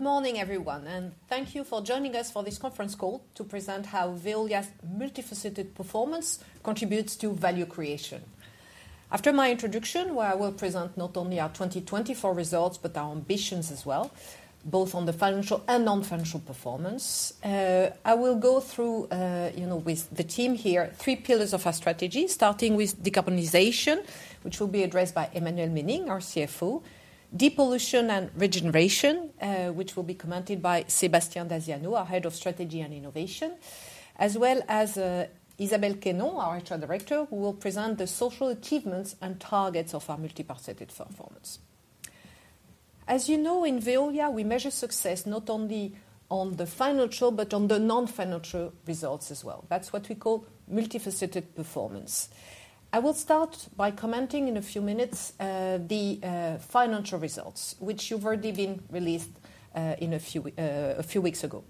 Good morning, everyone, and thank you for joining us for this conference call to present how Veolia's Multifaceted Performance contributes to value creation. After my introduction, where I will present not only our 2024 results but our ambitions as well, both on the financial and non-financial performance, I will go through, you know, with the team here, three pillars of our strategy, starting with decarbonization, which will be addressed by Emmanuelle Menning, our CFO, depollution and regeneration, which will be commented by Sébastien Daziano, our Head of Strategy and Innovation, as well as Isabelle Quenon, our HR Director, who will present the social achievements and targets of our Multifaceted Performance. As you know, in Veolia, we measure success not only on the financial but on the non-financial results as well. That's what we call Multifaceted Performance. I will start by commenting in a few minutes on the financial results, which have already been released a few weeks ago.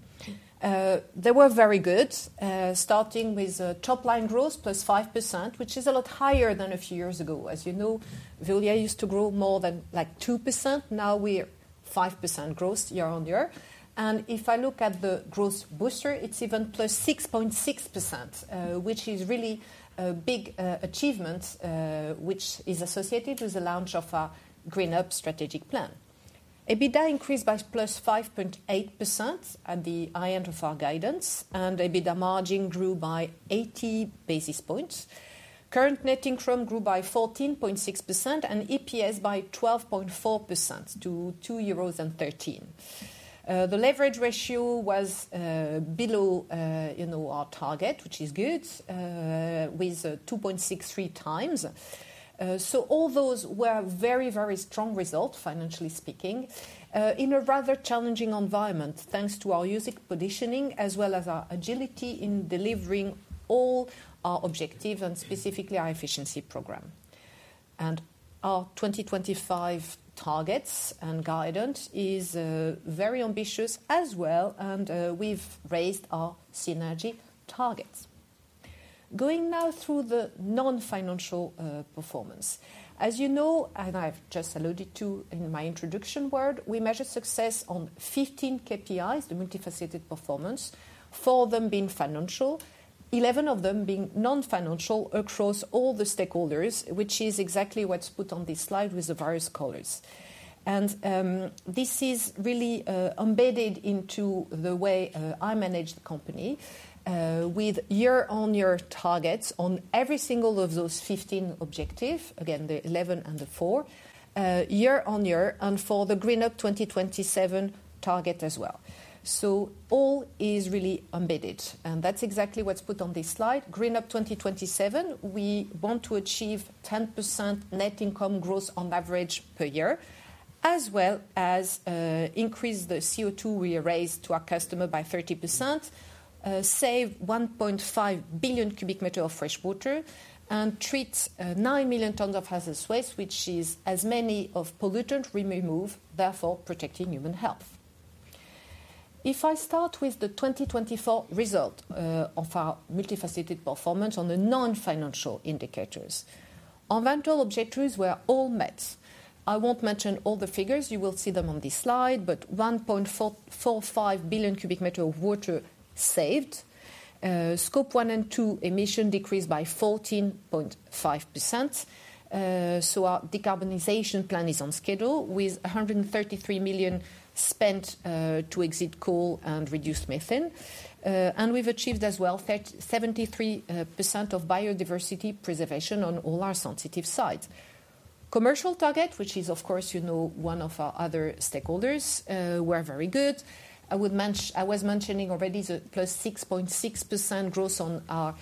They were very good, starting with top-line growth, plus 5%, which is a lot higher than a few years ago. As you know, Veolia used to grow more than like 2%. Now we're 5% growth year on year. If I look at the Growth Booster, it's even plus 6.6%, which is really a big achievement, which is associated with the launch of our GreenUp strategic plan. EBITDA increased by plus 5.8% at the end of our guidance, and EBITDA margin grew by 80 basis points. Current net income grew by 14.6% and EPS by 12.4% to 2.13. The leverage ratio was below, you know, our target, which is good, with 2.63 times. All those were very, very strong results, financially speaking, in a rather challenging environment, thanks to our unique positioning as well as our agility in delivering all our objectives and specifically our efficiency program. Our 2025 targets and guidance are very ambitious as well, and we've raised our synergy targets. Going now through the non-financial performance. As you know, and I've just alluded to in my introduction word, we measure success on 15 KPIs, the Multifaceted Performance, 4 of them being financial, 11 of them being non-financial across all the stakeholders, which is exactly what's put on this slide with the various colors. This is really embedded into the way I manage the company, with year-on-year targets on every single of those 15 objectives, again, the 11 and the 4, year-on-year, and for the GreenUp 2027 target as well. All is really embedded, and that's exactly what's put on this slide. GreenUp 2027, we want to achieve 10% net income growth on average per year, as well as increase the CO2 we erase to our customer by 30%, save 1.5 billion cubic meters of fresh water, and treat 9 million tons of hazardous waste, which is as many of pollutants we remove, therefore protecting human health. If I start with the 2024 result of our Multifaceted Performance on the non-financial indicators, environmental objectives were all met. I won't mention all the figures. You will see them on this slide, but 1.45 billion cubic meters of water saved. Scope 1 and 2 emissions decreased by 14.5%. Our decarbonization plan is on schedule, with 133 million spent to exit coal and reduce methane. We have achieved as well 73% of biodiversity preservation on all our sensitive sites. Commercial target, which is, of course, you know, one of our other stakeholders, were very good. I was mentioning already the +6.6% growth on our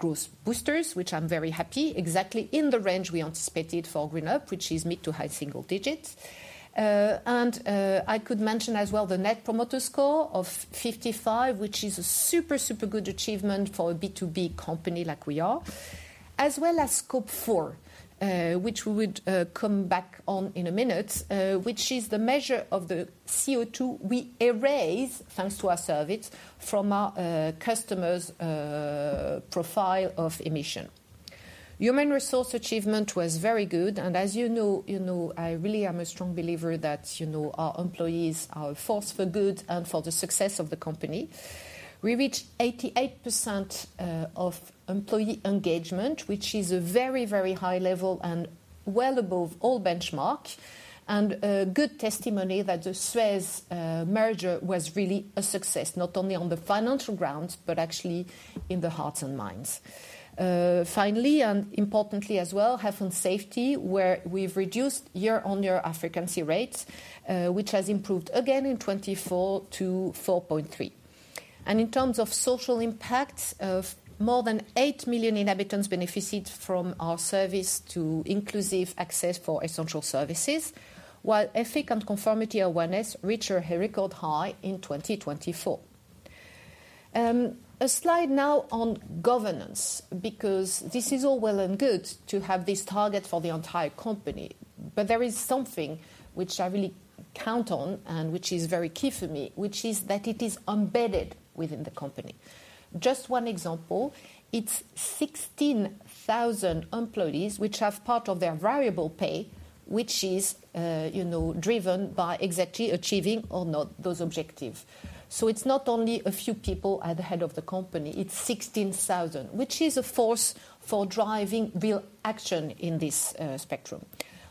Growth Boosters, which I'm very happy, exactly in the range we anticipated for GreenUp, which is mid to high single digits. I could mention as well the Net Promoter Score of 55, which is a super, super good achievement for a B2B company like we are, as well as Scope 4, which we would come back on in a minute, which is the measure of the CO2 we erase, thanks to our service, from our customer's profile of emission. Human resource achievement was very good. As you know, you know, I really am a strong believer that, you know, our employees are a force for good and for the success of the company. We reached 88% of employee engagement, which is a very, very high level and well above all benchmarks, and a good testimony that the Suez merger was really a success, not only on the financial grounds, but actually in the hearts and minds. Finally, importantly as well, health and safety, where we've reduced year-on-year frequency rates, which has improved again in 2024 to 4.3. In terms of social impact, more than 8 million inhabitants benefited from our service to inclusive access for essential services, while ethic and conformity awareness reached a record high in 2024. A slide now on governance, because this is all well and good to have this target for the entire company. There is something which I really count on and which is very key for me, which is that it is embedded within the company. Just one example, it's 16,000 employees which have part of their variable pay, which is, you know, driven by exactly achieving or not those objectives. It's not only a few people at the head of the company. It's 16,000, which is a force for driving real action in this spectrum.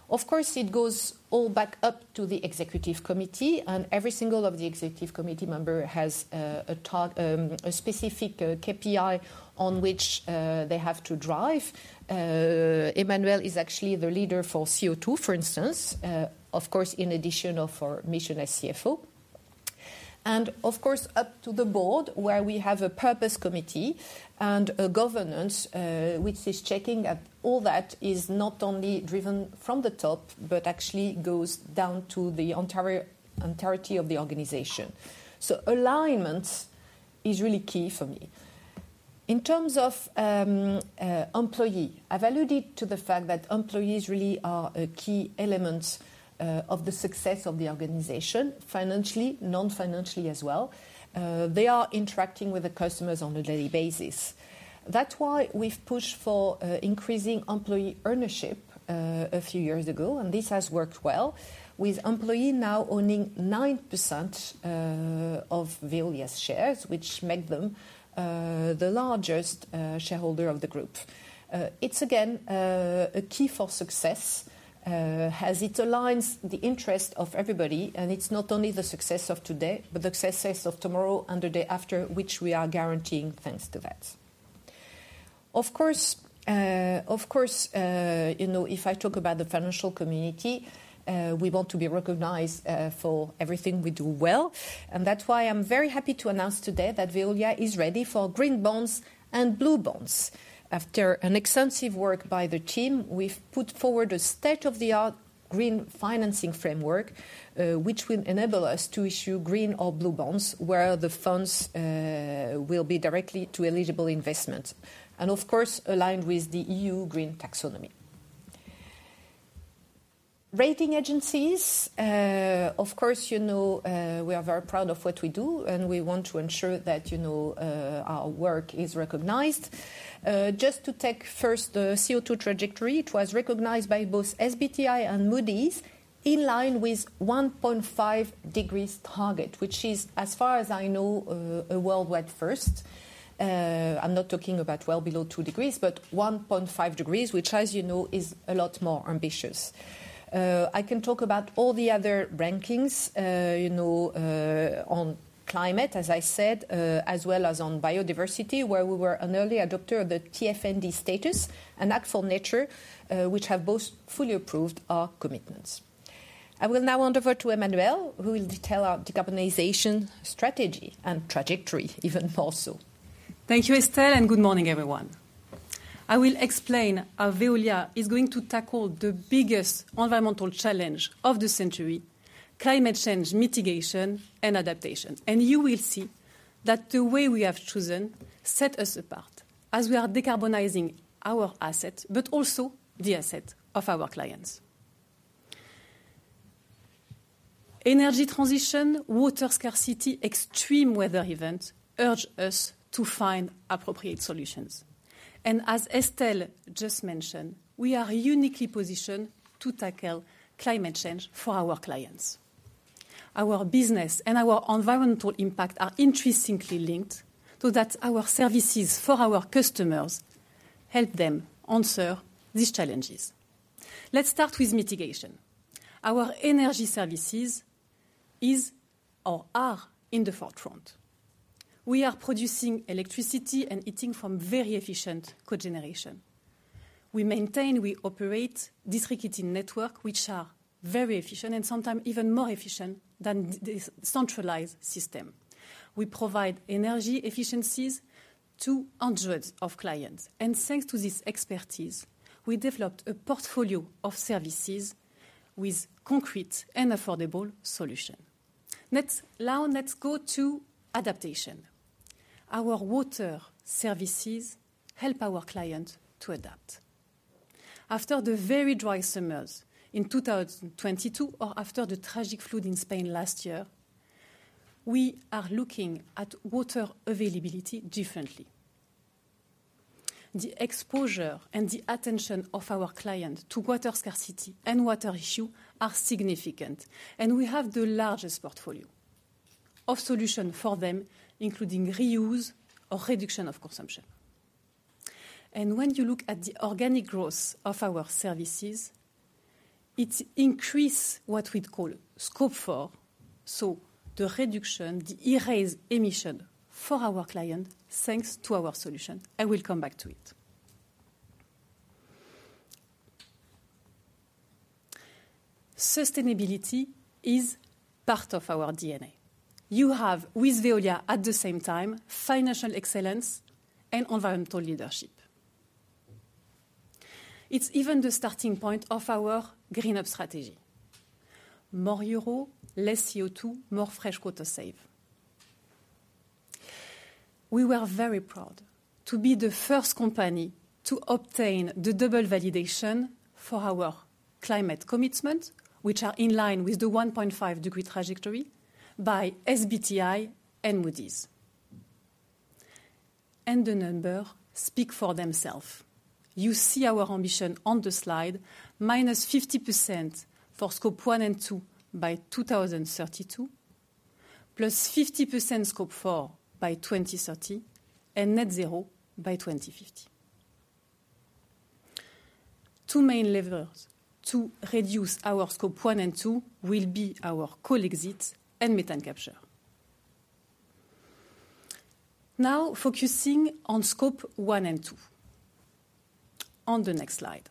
Of course, it goes all back up to the Executive Committee, and every single Executive Committee member has a specific KPI on which they have to drive. Emmanuelle is actually the leader for CO2, for instance, of course, in addition to our mission as CFO. Of course, up to the board, where we have a Purpose Committee and a Governance, which is checking that all that is not only driven from the top, but actually goes down to the entirety of the organization. Alignment is really key for me. In terms of employee, I've alluded to the fact that employees really are a key element of the success of the organization, financially, non-financially as well. They are interacting with the customers on a daily basis. That's why we've pushed for increasing employee ownership a few years ago, and this has worked well, with employees now owning 9% of Veolia's shares, which makes them the largest shareholder of the group. It's again a key for success, as it aligns the interest of everybody, and it's not only the success of today, but the success of tomorrow and the day after, which we are guaranteeing thanks to that. Of course, you know, if I talk about the financial community, we want to be recognized for everything we do well. That's why I'm very happy to announce today that Veolia is ready for green bonds and blue bonds. After an extensive work by the team, we've put forward a state-of-the-art Green Financing Framework, which will enable us to issue green or blue bonds, where the funds will be directly to eligible investments, and of course, aligned with the EU Green Taxonomy. Rating agencies, of course, you know, we are very proud of what we do, and we want to ensure that, you know, our work is recognized. Just to take first the CO2 trajectory, it was recognized by both SBTi and Moody's in line with 1.5 degrees target, which is, as far as I know, a worldwide first. I'm not talking about well below 2 degrees, but 1.5 degrees, which, as you know, is a lot more ambitious. I can talk about all the other rankings, you know, on climate, as I said, as well as on biodiversity, where we were an early adopter of the TNFD status and Act for Nature, which have both fully approved our commitments. I will now hand over to Emmanuelle, who will tell our decarbonization strategy and trajectory even more so. Thank you, Estelle, and good morning, everyone. I will explain how Veolia is going to tackle the biggest environmental challenge of the century, climate change mitigation and adaptation. You will see that the way we have chosen sets us apart, as we are decarbonizing our assets, but also the assets of our clients. Energy transition, water scarcity, extreme weather events urge us to find appropriate solutions. As Estelle just mentioned, we are uniquely positioned to tackle climate change for our clients. Our business and our environmental impact are intrinsically linked so that our services for our customers help them answer these challenges. Let's start with mitigation. Our energy services are in the forefront. We are producing electricity and heating from very efficient cogeneration. We maintain, we operate district heating networks, which are very efficient and sometimes even more efficient than the centralized system. We provide energy efficiencies to hundreds of clients. Thanks to this expertise, we developed a portfolio of services with concrete and affordable solutions. Now let's go to adaptation. Our water services help our clients to adapt. After the very dry summers in 2022, or after the tragic flood in Spain last year, we are looking at water availability differently. The exposure and the attention of our clients to water scarcity and water issues are significant, and we have the largest portfolio of solutions for them, including reuse or reduction of consumption. When you look at the organic growth of our services, it increases what we call Scope 4, so the reduction, the erased emission for our clients thanks to our solutions. I will come back to it. Sustainability is part of our DNA. You have, with Veolia at the same time, financial excellence and environmental leadership. It's even the starting point of our GreenUp strategy. More euros, less CO2, more fresh water saved. We were very proud to be the first company to obtain the double validation for our climate commitments, which are in line with the 1.5 degree trajectory by SBTi and Moody's. The numbers speak for themselves. You see our ambition on the slide: minus 50% for Scope 1 and 2 by 2032, plus 50% Scope 4 by 2030, and net zero by 2050. Two main levers to reduce our Scope 1 and 2 will be our coal exit and methane capture. Now focusing on Scope 1 and 2. On the next slide.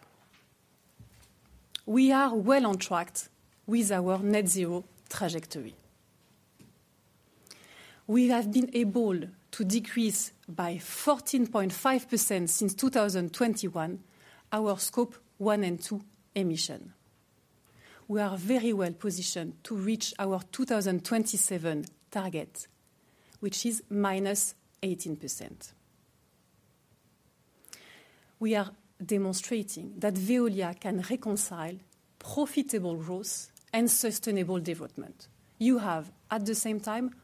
We are well on track with our net zero trajectory. We have been able to decrease by 14.5% since 2021 our Scope 1 and 2 emissions. We are very well positioned to reach our 2027 target, which is minus 18%. We are demonstrating that Veolia can reconcile profitable growth and sustainable development. You have, at the same time,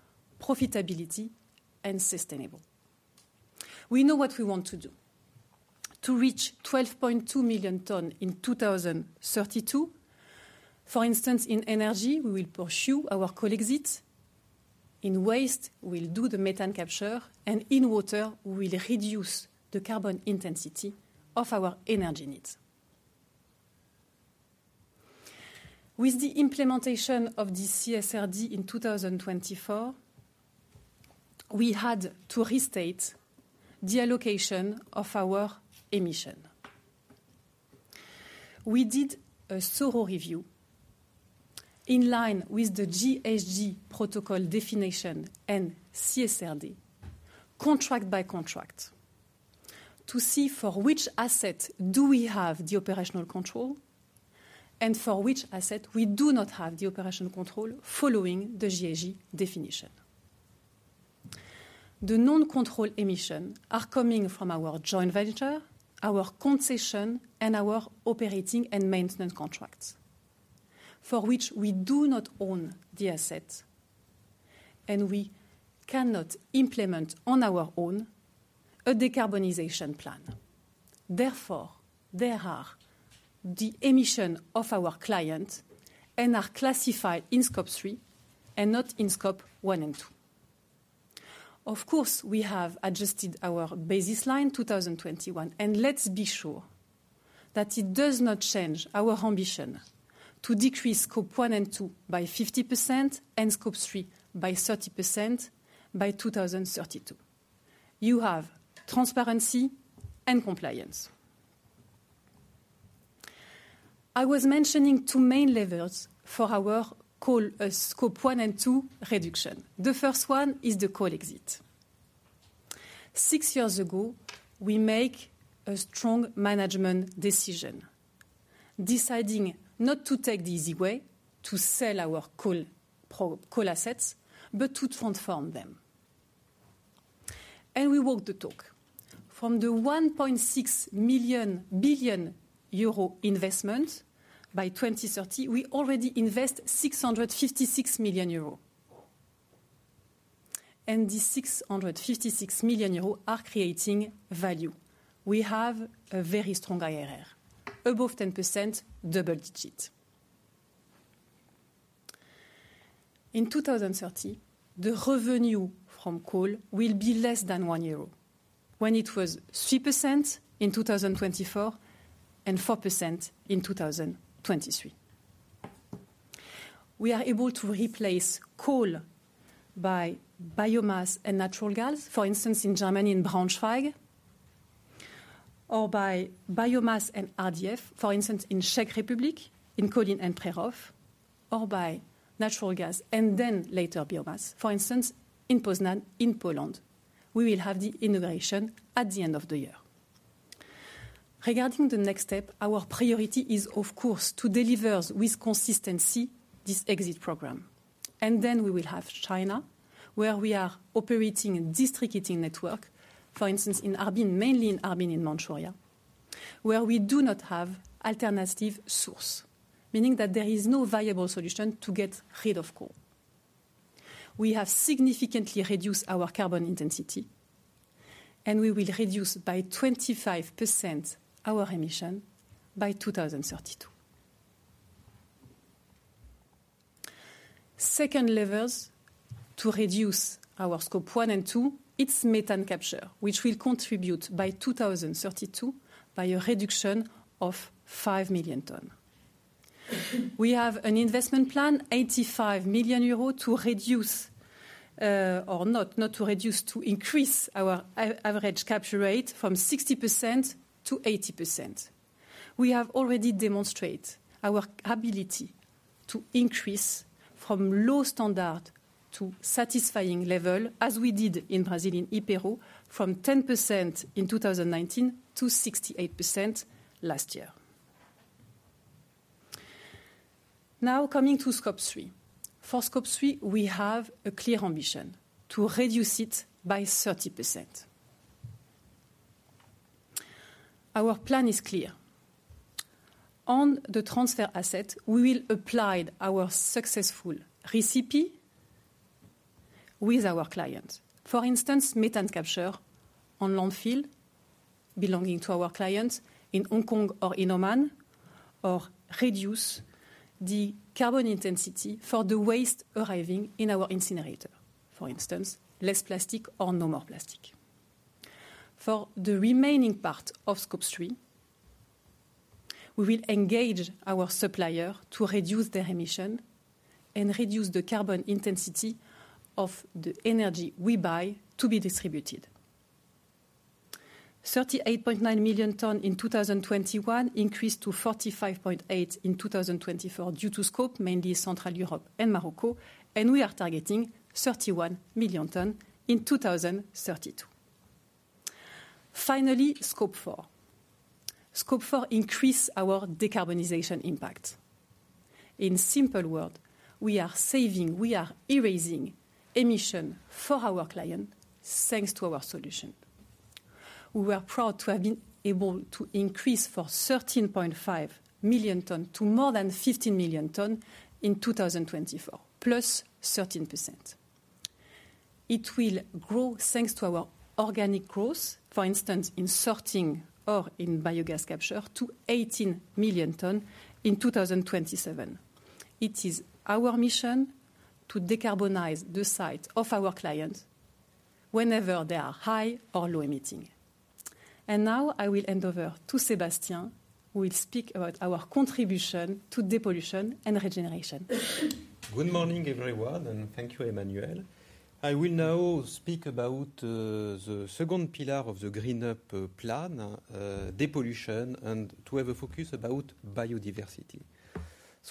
profitability and sustainability. We know what we want to do. To reach 12.2 million tons in 2032. For instance, in energy, we will pursue our coal exit. In waste, we'll do the methane capture. In water, we will reduce the carbon intensity of our energy needs. With the implementation of the CSRD in 2024, we had to restate the allocation of our emissions. We did a thorough review in line with the GHG Protocol definition and CSRD, contract by contract, to see for which assets do we have the operational control, and for which assets we do not have the operational control following the GHG definition. The non-controlled emissions are coming from our joint venture, our concession, and our operating and maintenance contracts, for which we do not own the assets, and we cannot implement on our own a decarbonization plan. Therefore, there are the emissions of our clients and are classified in Scope 3 and not in Scope 1 and 2. Of course, we have adjusted our basis line 2021, and let's be sure that it does not change our ambition to decrease Scope 1 and 2 by 50% and Scope 3 by 30% by 2032. You have transparency and compliance. I was mentioning two main levers for our Scope 1 and 2 reduction. The first one is the coal exit. Six years ago, we made a strong management decision, deciding not to take the easy way to sell our coal assets, but to transform them. We walked the talk. From the 1.6 billion euro investment by 2030, we already invest 656 million euro. And these 656 million euro are creating value. We have a very strong IRR, above 10%, double digit. In 2030, the revenue from coal will be less than 1 euro, when it was 3% in 2024 and 4% in 2023. We are able to replace coal by biomass and natural gas, for instance, in Germany in Braunschweig, or by biomass and RDF, for instance, in the Czech Republic, in Kolín and Přerov, or by natural gas and then later biomass, for instance, in Poznań, in Poland. We will have the integration at the end of the year. Regarding the next step, our priority is, of course, to deliver with consistency this exit program. We will have China, where we are operating a district heating network, for instance, in Harbin, mainly in Harbin in Manchuria, where we do not have an alternative source, meaning that there is no viable solution to get rid of coal. We have significantly reduced our carbon intensity, and we will reduce by 25% our emissions by 2032. Second lever to reduce our Scope 1 and 2, it's methane capture, which will contribute by 2032 by a reduction of 5 million tons. We have an investment plan, 85 million euros, to reduce, or not to reduce, to increase our average capture rate from 60% to 80%. We have already demonstrated our ability to increase from low standard to satisfying level, as we did in Brazil and Iperó, from 10% in 2019 to 68% last year. Now coming to Scope 3. For Scope 3, we have a clear ambition to reduce it by 30%. Our plan is clear. On the transfer asset, we will apply our successful recipe with our clients. For instance, methane capture on landfill belonging to our clients in Hong Kong or in Oman, or reduce the carbon intensity for the waste arriving in our incinerator, for instance, less plastic or no more plastic. For the remaining part of Scope 3, we will engage our supplier to reduce their emissions and reduce the carbon intensity of the energy we buy to be distributed. 38.9 million tons in 2021 increased to 45.8 in 2024 due to scope, mainly Central Europe and Morocco, and we are targeting 31 million tons in 2032. Finally, Scope 4. Scope 4 increases our decarbonization impact. In simple words, we are saving, we are erasing emissions for our clients thanks to our solutions. We were proud to have been able to increase from 13.5 million tons to more than 15 million tons in 2024, plus 13%. It will grow thanks to our organic growth, for instance, in sorting or in biogas capture to 18 million tons in 2027. It is our mission to decarbonize the sites of our clients whenever they are high or low emitting. I will hand over to Sébastien, who will speak about our contribution to depollution and regeneration. Good morning, everyone, and thank you, Emmanuelle. I will now speak about the second pillar of the GreenUp Plan, depollution, and to have a focus about biodiversity.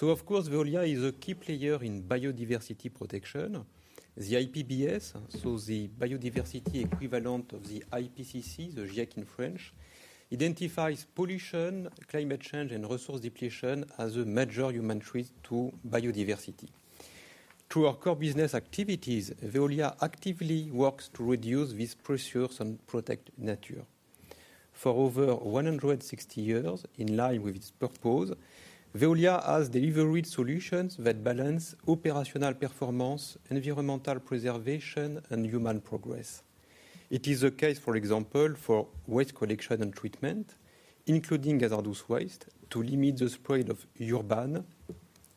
Of course, Veolia is a key player in biodiversity protection. The IPBES, so the biodiversity equivalent of the IPCC, the GIEC in French, identifies pollution, climate change, and resource depletion as a major human threat to biodiversity. Through our core business activities, Veolia actively works to reduce these pressures and protect nature. For over 160 years, in line with its purpose, Veolia has delivered solutions that balance operational performance, environmental preservation, and human progress. It is the case, for example, for waste collection and treatment, including hazardous waste, to limit the spread of urban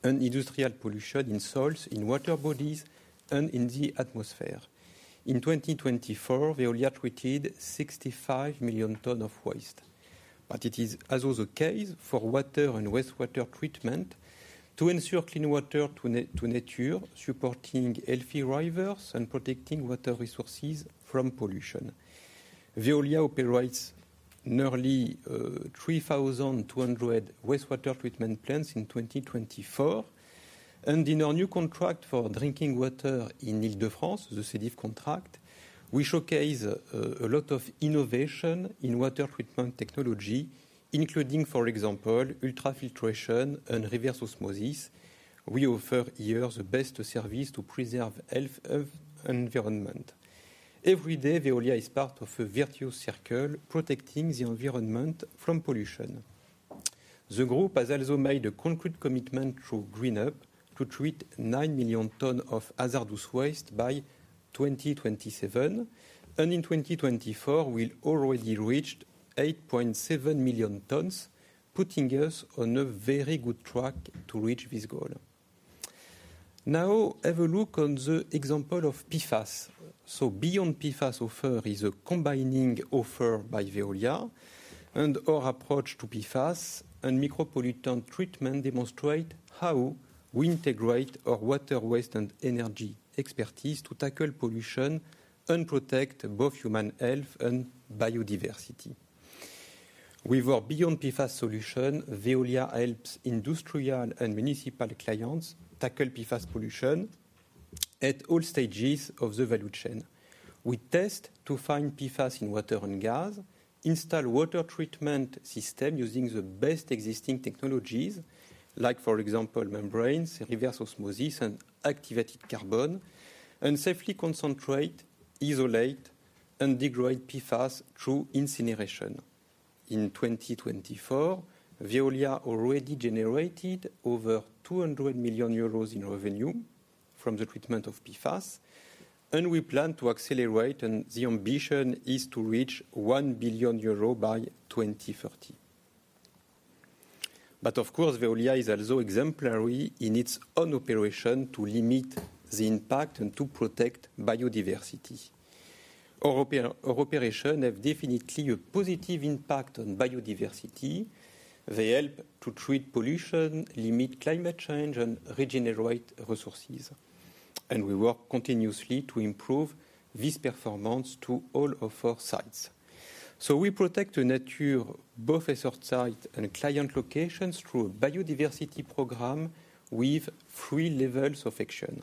and industrial pollution in soils, in water bodies, and in the atmosphere. In 2024, Veolia treated 65 million tons of waste. It is also the case for water and wastewater treatment to ensure clean water to nature, supporting healthy rivers and protecting water resources from pollution. Veolia operates nearly 3,200 wastewater treatment plants in 2024. In our new contract for drinking water in Île-de-France, the SEDIF contract, we showcase a lot of innovation in water treatment technology, including, for example, ultrafiltration and reverse osmosis. We offer here the best service to preserve the health of the environment. Every day, Veolia is part of a virtuous circle protecting the environment from pollution. The group has also made a concrete commitment through GreenUp to treat 9 million tons of hazardous waste by 2027. In 2024, we already reached 8.7 million tons, putting us on a very good track to reach this goal. Now, have a look at the example of PFAS. Beyond PFAS offer is a combining offer by Veolia and our approach to PFAS and micropollutant treatment demonstrates how we integrate our water, waste, and energy expertise to tackle pollution and protect both human health and biodiversity. With our Beyond PFAS solution, Veolia helps industrial and municipal clients tackle PFAS pollution at all stages of the value chain. We test to find PFAS in water and gas, install water treatment systems using the best existing technologies, like, for example, membranes, reverse osmosis, and activated carbon, and safely concentrate, isolate, and degrade PFAS through incineration. In 2024, Veolia already generated over 200 million euros in revenue from the treatment of PFAS. We plan to accelerate, and the ambition is to reach 1 billion euros by 2030. Of course, Veolia is also exemplary in its own operation to limit the impact and to protect biodiversity. Our operations have definitely a positive impact on biodiversity. They help to treat pollution, limit climate change, and regenerate resources. We work continuously to improve this performance to all of our sites. We protect the nature, both assorted sites and client locations through a biodiversity program with three levels of action.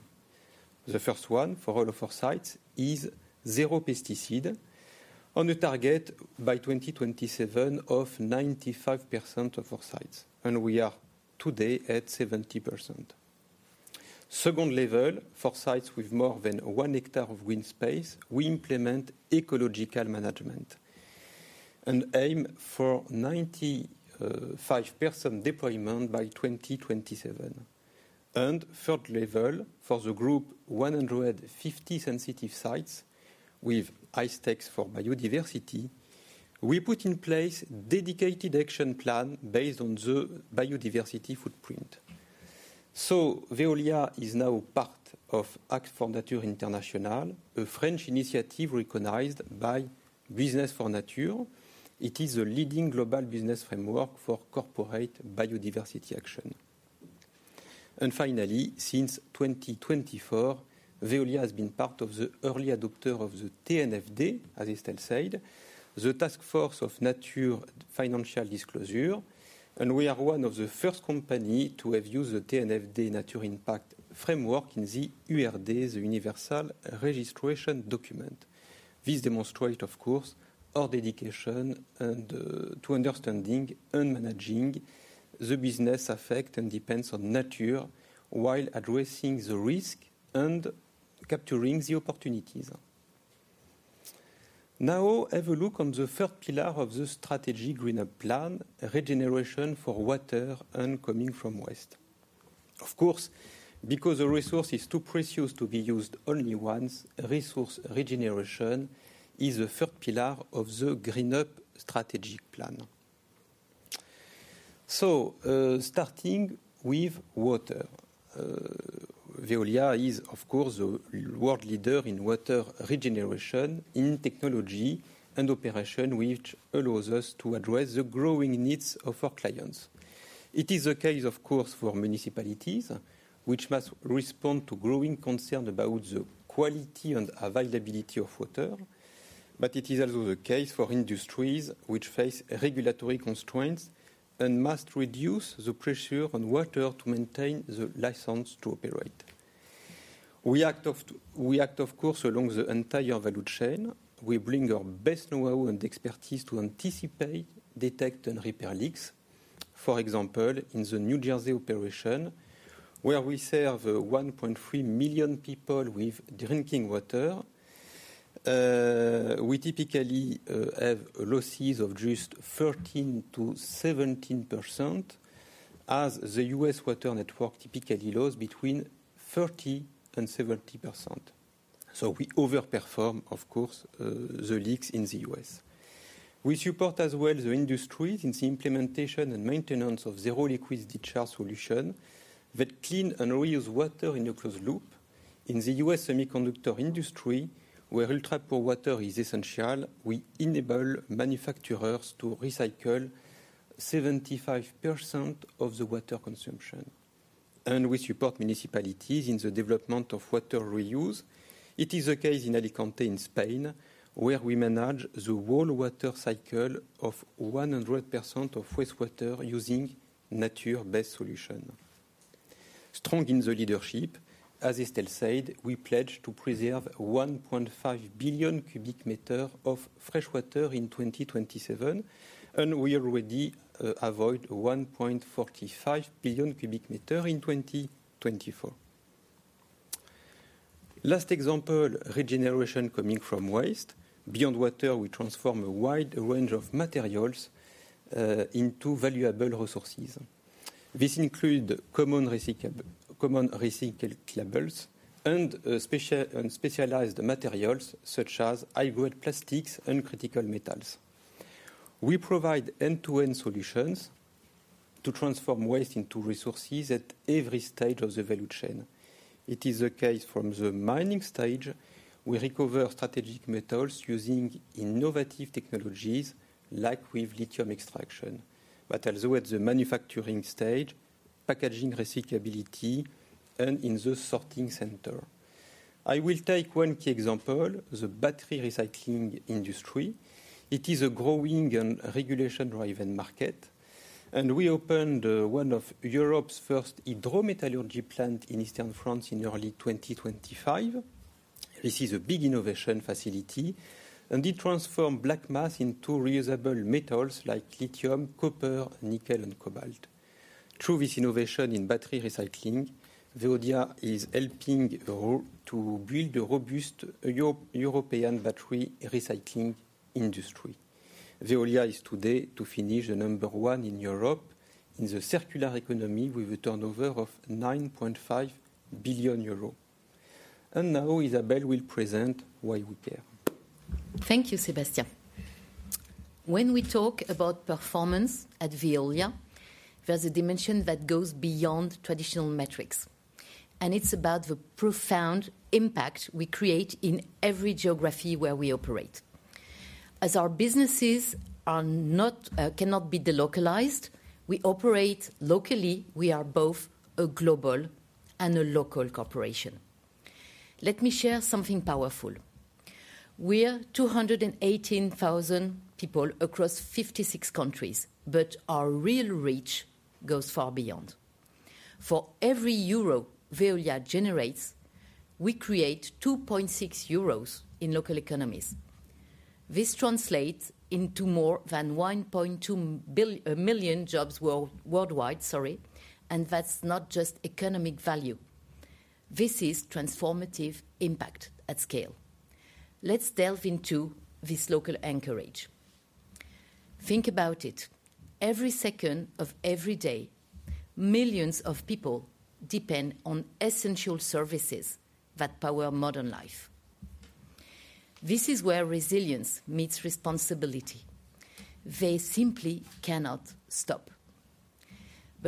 The first one for all of our sites is zero pesticide, on a target by 2027 of 95% of our sites. We are today at 70%. Second level, for sites with more than one hectare of green space, we implement ecological management and aim for 95% deployment by 2027. Third level, for the group, 150 sensitive sites with high stakes for biodiversity, we put in place a dedicated action plan based on the biodiversity footprint. Veolia is now part of Act for Nature International, a French initiative recognized by Business for Nature. It is a leading global business framework for corporate biodiversity action. Finally, since 2024, Veolia has been part of the early adopters of the TNFD, as it is still said, the Taskforce on Nature-related Financial Disclosures. We are one of the first companies to have used the TNFD Nature Impact Framework in the URD, the Universal Registration Document. This demonstrates, of course, our dedication to understanding and managing the business affected and dependent on nature while addressing the risks and capturing the opportunities. Now, have a look at the third pillar of the strategic GreenUp Plan, regeneration for water and coming from waste. Of course, because a resource is too precious to be used only once, resource regeneration is the third pillar of the GreenUp strategic plan. Starting with water, Veolia is, of course, a world leader in water regeneration in technology and operation, which allows us to address the growing needs of our clients. It is the case, of course, for municipalities which must respond to growing concerns about the quality and availability of water. It is also the case for industries which face regulatory constraints and must reduce the pressure on water to maintain the license to operate. We act, of course, along the entire value chain. We bring our best know-how and expertise to anticipate, detect, and repair leaks. For example, in the New Jersey operation, where we serve 1.3 million people with drinking water, we typically have losses of just 13%-17%, as the US water network typically loses between 30%-70%. We overperform, of course, the leaks in the US. We support as well the industries in the implementation and maintenance of zero liquid discharge solutions that clean and reuse water in a closed loop. In the U.S. semiconductor industry, where ultra-pure water is essential, we enable manufacturers to recycle 75% of the water consumption. We support municipalities in the development of water reuse. It is the case in Alicante in Spain, where we manage the whole water cycle of 100% of wastewater using nature-based solutions. Strong in the leadership, as it is still said, we pledge to preserve 1.5 billion cubic meters of fresh water in 2027, and we already avoided 1.45 billion cubic meters in 2024. Last example, regeneration coming from waste. Beyond water, we transform a wide range of materials into valuable resources. This includes common recyclables, and specialized materials such as high-grade plastics and critical metals. We provide end-to-end solutions to transform waste into resources at every stage of the value chain. It is the case from the mining stage, we recover strategic metals using innovative technologies like with lithium extraction, but also at the manufacturing stage, packaging recyclability, and in the sorting center. I will take one key example, the battery recycling industry. It is a growing and regulation-driven market. We opened one of Europe's first hydrometallurgy plants in Eastern France in early 2025. This is a big innovation facility. It transforms black mass into reusable metals like lithium, copper, nickel, and cobalt. Through this innovation in battery recycling, Veolia is helping to build a robust European battery recycling industry. Veolia is today, to finish, the number one in Europe in the circular economy with a turnover of 9.5 billion euros. Now, Isabelle will present why we care. Thank you, Sébastien. When we talk about performance at Veolia, there's a dimension that goes beyond traditional metrics. It's about the profound impact we create in every geography where we operate. As our businesses cannot be delocalized, we operate locally, we are both a global and a local corporation. Let me share something powerful. We are 218,000 people across 56 countries, but our real reach goes far beyond. For every EUR 1 Veolia generates, we create 2.6 euros in local economies. This translates into more than 1.2 million jobs worldwide, sorry, and that's not just economic value. This is transformative impact at scale. Let's delve into this local anchorage. Think about it. Every second of every day, millions of people depend on essential services that power modern life. This is where resilience meets responsibility. They simply cannot stop.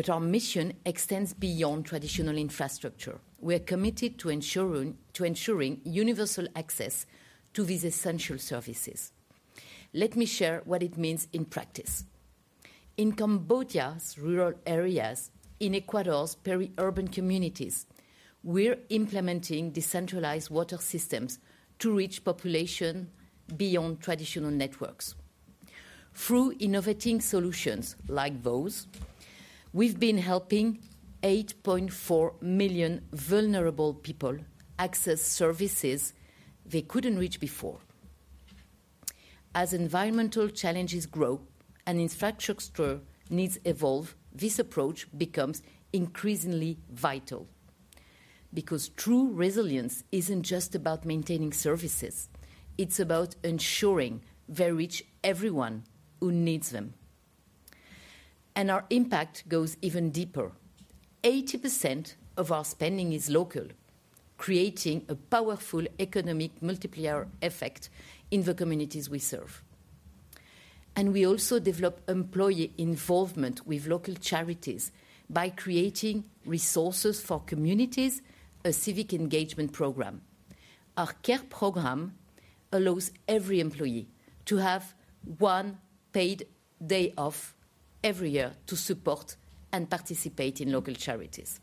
Our mission extends beyond traditional infrastructure. We are committed to ensuring universal access to these essential services. Let me share what it means in practice. In Cambodia's rural areas, in Ecuador's peri-urban communities, we're implementing decentralized water systems to reach populations beyond traditional networks. Through innovating solutions like those, we've been helping 8.4 million vulnerable people access services they couldn't reach before. As environmental challenges grow and infrastructure needs evolve, this approach becomes increasingly vital. True resilience isn't just about maintaining services. It's about ensuring they reach everyone who needs them. Our impact goes even deeper. 80% of our spending is local, creating a powerful economic multiplier effect in the communities we serve. We also develop employee involvement with local charities by creating resources for communities, a civic engagement program. Our care program allows every employee to have one paid day off every year to support and participate in local charities.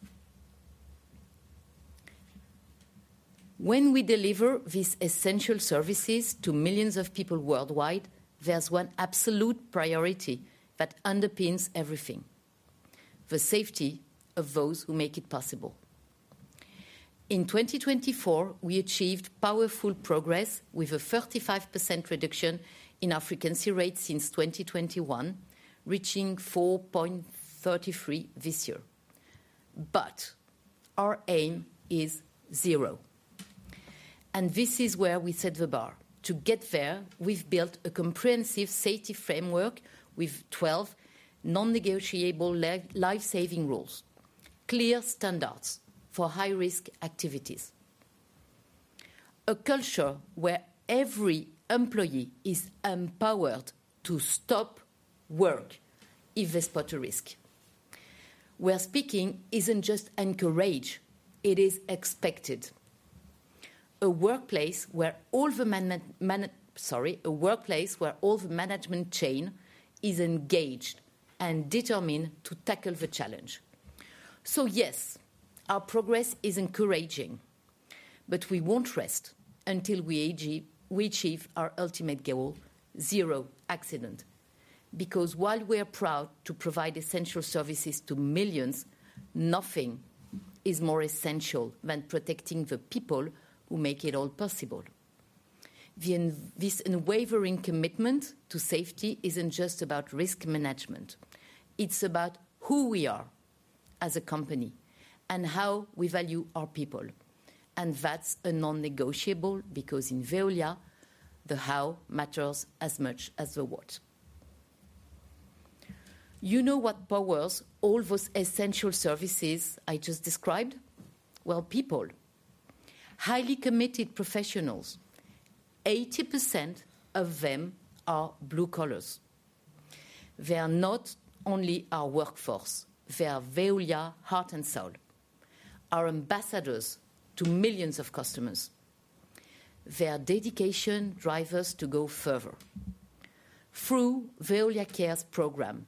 When we deliver these essential services to millions of people worldwide, there's one absolute priority that underpins everything: the safety of those who make it possible. In 2024, we achieved powerful progress with a 35% reduction in our frequency rate since 2021, reaching 4.3 this year. Our aim is zero. This is where we set the bar. To get there, we've built a comprehensive safety framework with 12 non-negotiable Life Saving Rules, clear standards for high-risk activities, a culture where every employee is empowered to stop work if they spot a risk. What we're speaking about isn't just anchorage. It is expected. A workplace where all the management chain is engaged and determined to tackle the challenge. Yes, our progress is encouraging. We won't rest until we achieve our ultimate goal, zero accident. Because while we're proud to provide essential services to millions, nothing is more essential than protecting the people who make it all possible. This unwavering commitment to safety isn't just about risk management. It's about who we are as a company and how we value our people. That's a non-negotiable because in Veolia, the how matters as much as the what. You know what powers all those essential services I just described? People, highly committed professionals. 80% of them are blue collars. They are not only our workforce. They are Veolia heart and soul, our ambassadors to millions of customers. Their dedication drives us to go further. Through Veolia Cares program,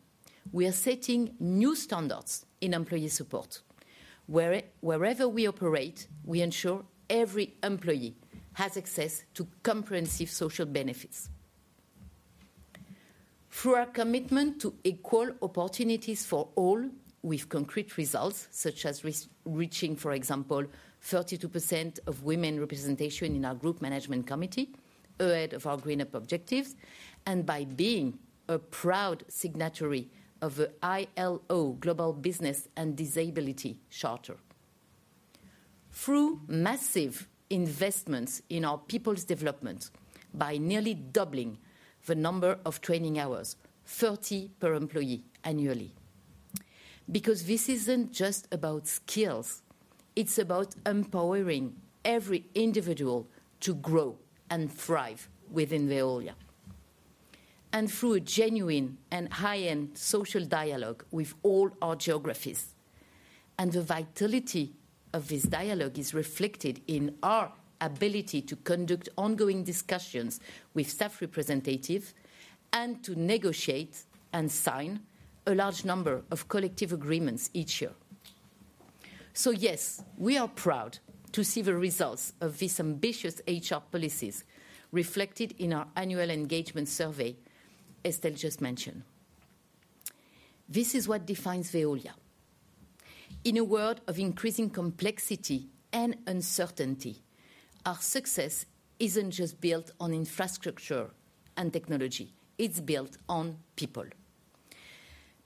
we are setting new standards in employee support. Wherever we operate, we ensure every employee has access to comprehensive social benefits. Through our commitment to equal opportunities for all, we've concrete results such as reaching, for example, 32% of women representation in our group management committee, ahead of our GreenUp objectives, and by being a proud signatory of the ILO Global Business and Disability Charter. Through massive investments in our people's development, by nearly doubling the number of training hours, 30 per employee annually. Because this isn't just about skills. It's about empowering every individual to grow and thrive within Veolia. Through a genuine and high-end social dialogue with all our geographies. The vitality of this dialogue is reflected in our ability to conduct ongoing discussions with staff representatives and to negotiate and sign a large number of collective agreements each year. Yes, we are proud to see the results of these ambitious HR policies reflected in our annual engagement survey, as Estelle just mentioned. This is what defines Veolia. In a world of increasing complexity and uncertainty, our success isn't just built on infrastructure and technology. It's built on people.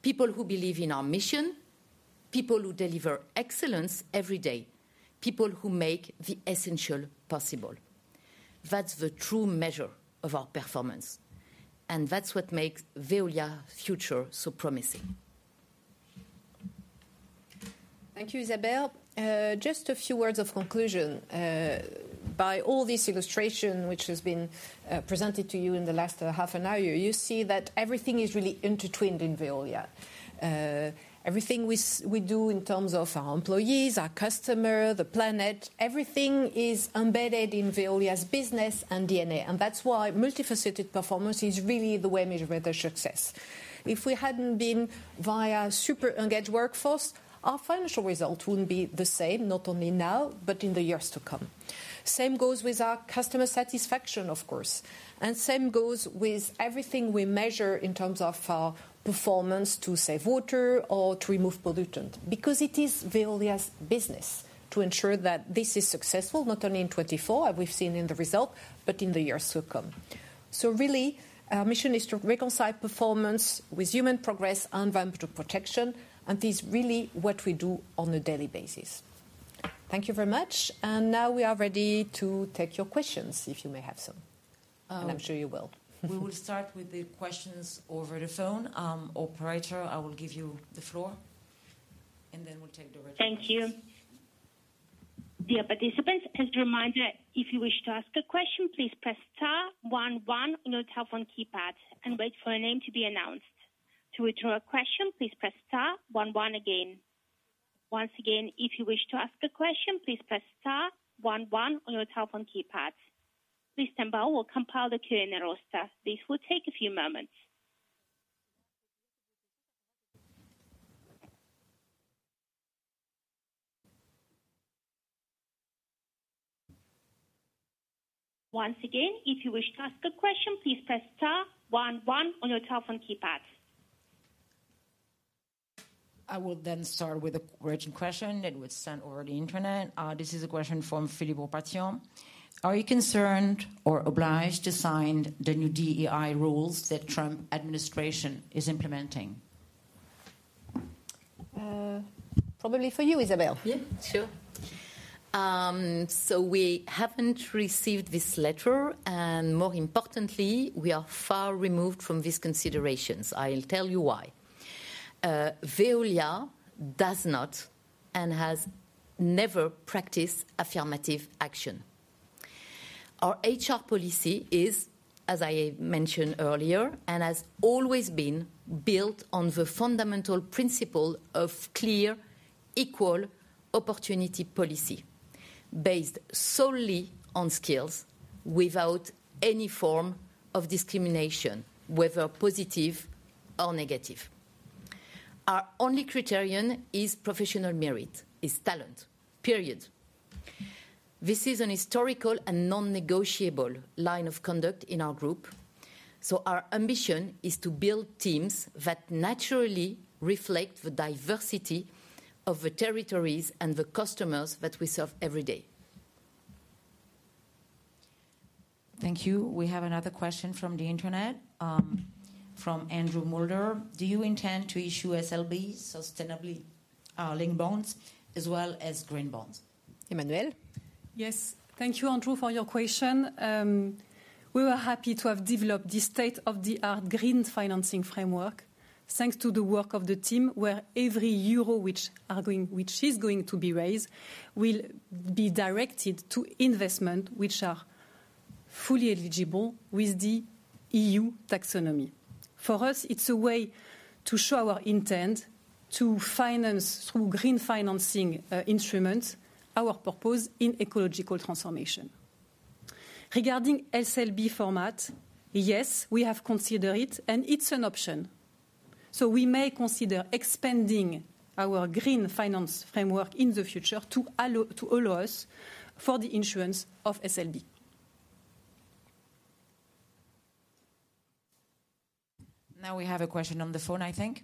People who believe in our mission, people who deliver excellence every day, people who make the essential possible. That's the true measure of our performance. That's what makes Veolia's future so promising. Thank you, Isabelle. Just a few words of conclusion. By all this illustration, which has been presented to you in the last half an hour, you see that everything is really intertwined in Veolia. Everything we do in terms of our employees, our customers, the planet, everything is embedded in Veolia's business and DNA. That is why multifaceted performance is really the way we measure success. If we had not been via a super-engaged workforce, our financial results would not be the same, not only now, but in the years to come. Same goes with our customer satisfaction, of course. Same goes with everything we measure in terms of our performance to save water or to remove pollutants. Because it is Veolia's business to ensure that this is successful, not only in 2024, as we have seen in the results, but in the years to come. Our mission is to reconcile performance with human progress and environmental protection. This is really what we do on a daily basis. Thank you very much. Now we are ready to take your questions, if you may have some. I'm sure you will. We will start with the questions over the phone. Operator, I will give you the floor. Then we'll take the rest. Thank you. The participants, as a reminder, if you wish to ask a question, please press Star, 1, 1 on your telephone keypad and wait for a name to be announced. To withdraw a question, please press Star, 1, 1 again. Once again, if you wish to ask a question, please press Star, 1, 1 on your telephone keypad. Mr. Thibault, we'll compile the Q&A roster. This will take a few moments. Once again, if you wish to ask a question, please press Star, 1, 1 on your telephone keypad. I will then start with a urgent question. It was sent over the internet. This is a question from Philippe Ourpatian. Are you concerned or obliged to sign the new DEI rules that the Trump administration is implementing? Probably for you, Isabelle. Yeah, sure. We haven't received this letter. More importantly, we are far removed from these considerations. I'll tell you why. Veolia does not and has never practiced affirmative action. Our HR policy is, as I mentioned earlier, and has always been built on the fundamental principle of clear, equal opportunity policy, based solely on skills, without any form of discrimination, whether positive or negative. Our only criterion is professional merit, is talent, period. This is a historical and non-negotiable line of conduct in our group. Our ambition is to build teams that naturally reflect the diversity of the territories and the customers that we serve every day. Thank you. We have another question from the internet, from Andrew Moulder. Do you intend to issue SLBs, sustainability-linked bonds, as well as green bonds? Emmanuelle? Yes. Thank you, Andrew, for your question. We were happy to have developed this state-of-the-art green financing framework, thanks to the work of the team, where every euro which is going to be raised will be directed to investments which are fully eligible with the EU taxonomy. For us, it's a way to show our intent to finance through green financing instruments our purpose in ecological transformation. Regarding SLB format, yes, we have considered it, and it's an option. We may consider expanding our green finance framework in the future to allow us for the issuance of SLB. Now we have a question on the phone, I think.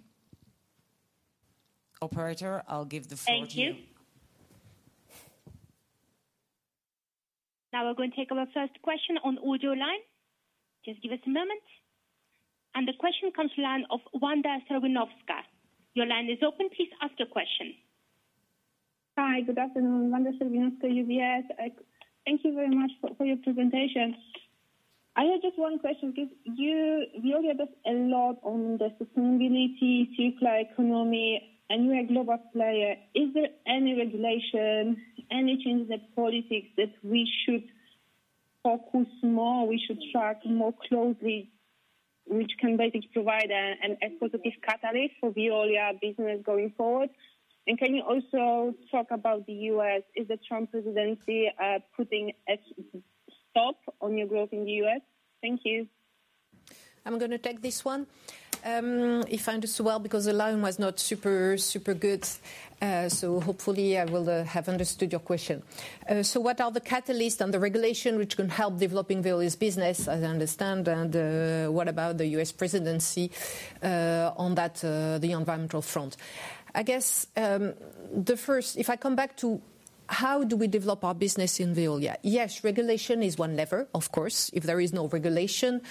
Operator, I'll give the floor to you. Thank you. Now we're going to take our first question on audio line. Just give us a moment. The question comes to the line of Wanda Serwinowska. Your line is open. Please ask your question. Hi, good afternoon. Wanda Serwinowska, UBS. Thank you very much for your presentation. I have just one question. Veolia does a lot on the sustainability, circular economy, and you're a global player. Is there any regulation, any change in the politics that we should focus more, we should track more closely, which can basically provide an exposed discovery for Veolia business going forward? Can you also talk about the U.S.? Is the Trump presidency putting a stop on your growth in the U.S.? Thank you. I'm going to take this one, if I understood well, because the line was not super, super good. Hopefully, I will have understood your question. What are the catalysts and the regulation which can help developing Veolia's business, as I understand? What about the US presidency on that, the environmental front? I guess the first, if I come back to how do we develop our business in Veolia? Yes, regulation is one lever, of course. If there is no regulation,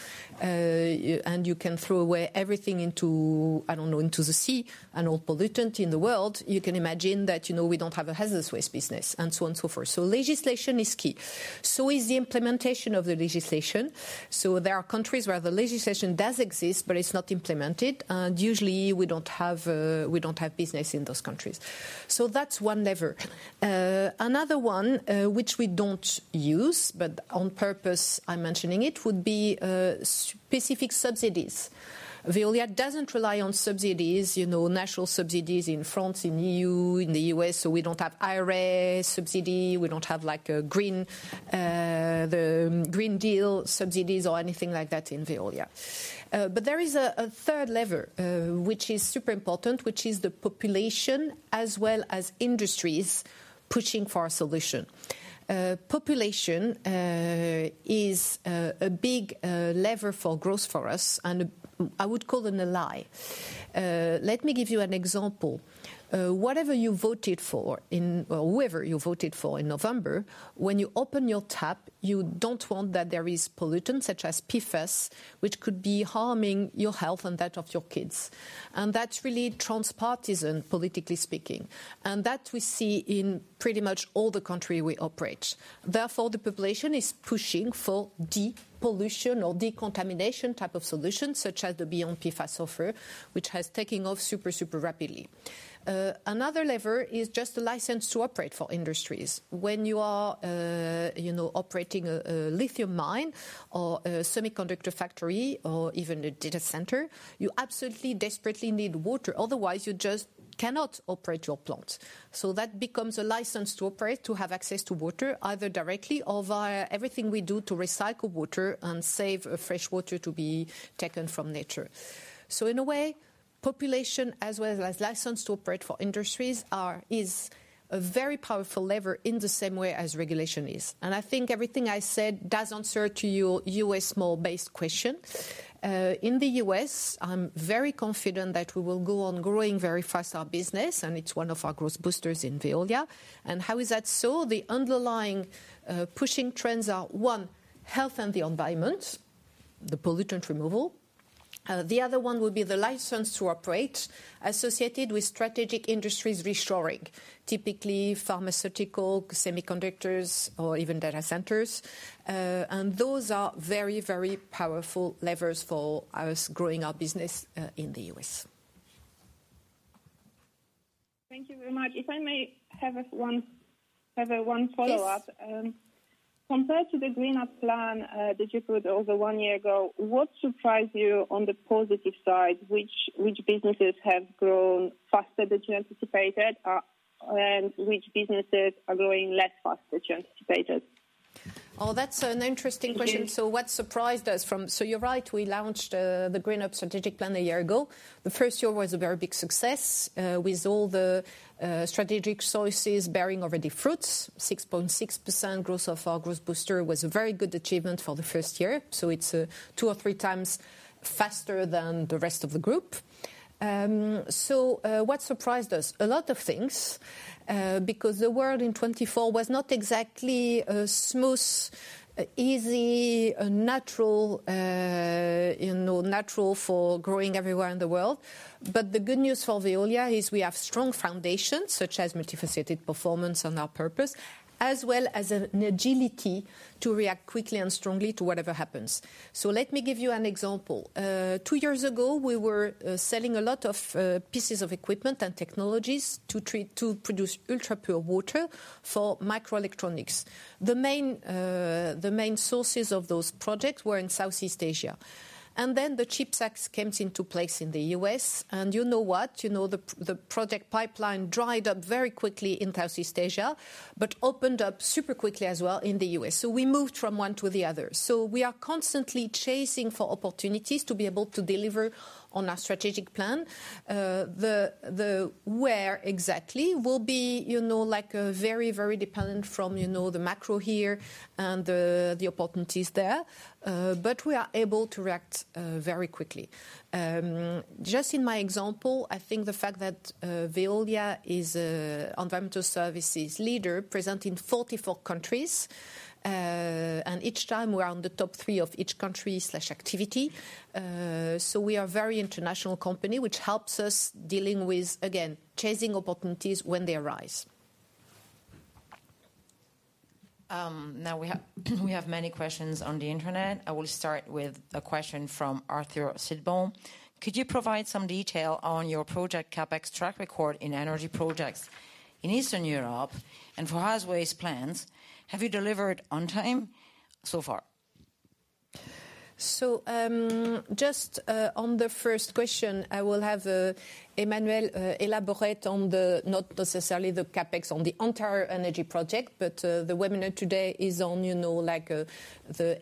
and you can throw away everything into, I don't know, into the sea, and all pollutants in the world, you can imagine that we don't have a hazardous waste business, and so on and so forth. Legislation is key. So is the implementation of the legislation. There are countries where the legislation does exist, but it's not implemented. Usually, we don't have business in those countries. That's one lever. Another one, which we don't use, but on purpose, I'm mentioning it, would be specific subsidies. Veolia doesn't rely on subsidies, national subsidies in France, in the EU, in the US. We don't have IRA subsidy. We don't have the Green Deal subsidies or anything like that in Veolia. There is a third lever, which is super important, which is the population, as well as industries pushing for a solution. Population is a big lever for growth for us, and I would call it a lie. Let me give you an example. Whatever you voted for, or whoever you voted for in November, when you open your tap, you don't want that there is pollutants such as PFAS, which could be harming your health and that of your kids. That's really transpartisan, politically speaking. That we see in pretty much all the countries we operate. Therefore, the population is pushing for depollution or decontamination type of solutions, such as the Beyond PFAS offer, which has taken off super, super rapidly. Another lever is just the license to operate for industries. When you are operating a lithium mine or a semiconductor factory or even a data center, you absolutely desperately need water. Otherwise, you just cannot operate your plants. That becomes a license to operate, to have access to water, either directly or via everything we do to recycle water and save fresh water to be taken from nature. In a way, population, as well as license to operate for industries, is a very powerful lever in the same way as regulation is. I think everything I said does answer to your US law-based question. In the U.S., I'm very confident that we will go on growing very fast our business, and it's one of our growth boosters in Veolia. How is that so? The underlying pushing trends are, one, health and the environment, the pollutant removal. The other one would be the license to operate associated with strategic industries reshoring, typically pharmaceutical, semiconductors, or even data centers. Those are very, very powerful levers for us growing our business in the U.S. Thank you very much. If I may have one follow-up. Compared to the GreenUp plan that you put over one year ago, what surprised you on the positive side? Which businesses have grown faster than you anticipated, and which businesses are growing less fast than you anticipated? Oh, that's an interesting question. What surprised us from? You're right. We launched the GreenUp strategic plan a year ago. The first year was a very big success with all the strategic sources bearing already fruits. 6.6% growth of our Growth Booster was a very good achievement for the first year. It's two or three times faster than the rest of the group. What surprised us? A lot of things, because the world in 2024 was not exactly a smooth, easy, natural for growing everywhere in the world. The good news for Veolia is we have strong foundations, such as multifaceted performance on our purpose, as well as an agility to react quickly and strongly to whatever happens. Let me give you an example. Two years ago, we were selling a lot of pieces of equipment and technologies to produce ultra-pure water for microelectronics. The main sources of those projects were in Southeast Asia. And then the CHIPS Act came into place in the U.S., and you know what? you know the project pipeline dried up very quickly in Southeast Asia, but opened up super quickly as well in the U.S. We moved from one to the other. We are constantly chasing for opportunities to be able to deliver on our strategic plan. Where exactly will be like very, very dependent from the macro here and the opportunities there. We are able to react very quickly. Just in my example, I think the fact that Veolia is an environmental services leader present in 44 countries, and each time we are in the top three of each country/activity. We are a very international company, which helps us dealing with, again, chasing opportunities when they arise. Now we have many questions on the internet. I will start with a question from Arthur Sitbon. Could you provide some detail on your project CapEx track record in energy projects in Eastern Europe and for hazardous waste plants? Have you delivered on time so far? Just on the first question, I will have Emmanuelle elaborate on not necessarily the CapEx on the entire energy project, but the webinar today is on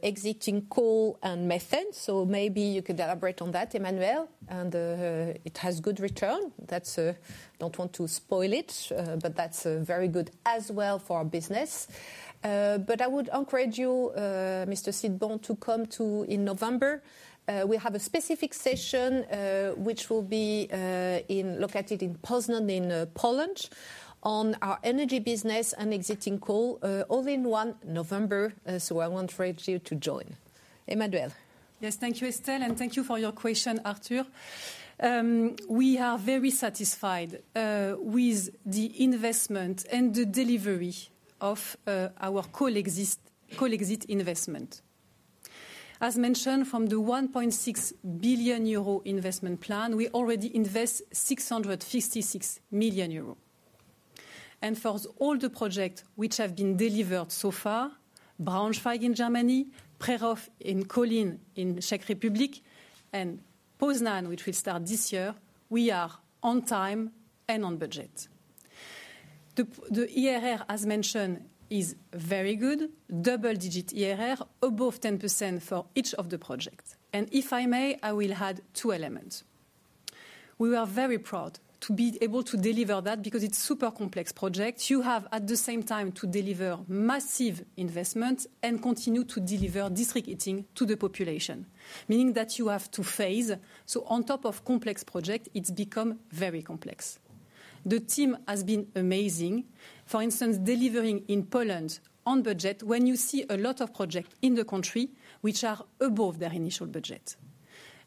exiting coal and methane. Maybe you could elaborate on that, Emmanuelle, and it has good return. I do not want to spoil it, but that is very good as well for our business. I would encourage you, Mr. Sitbon, to come in November. We have a specific session, which will be located in Poznań, in Poland, on our energy business and exiting coal, all in one November. I want to urge you to join. Emmanuelle. Yes, thank you, Estelle, and thank you for your question, Arthur. We are very satisfied with the investment and the delivery of our coal exit investment. As mentioned, from the 1.6 billion euro investment plan, we already invest 656 million euro. For all the projects which have been delivered so far, Braunschweig in Germany, Přerov and Kolín in the Czech Republic, and Poznań, which will start this year, we are on time and on budget. The IRR, as mentioned, is very good, double-digit IRR, above 10% for each of the projects. If I may, I will add two elements. We are very proud to be able to deliver that because it's a super complex project. You have, at the same time, to deliver massive investment and continue to deliver district heating to the population, meaning that you have to phase. On top of complex projects, it becomes very complex. The team has been amazing, for instance, delivering in Poland on budget when you see a lot of projects in the country which are above their initial budget.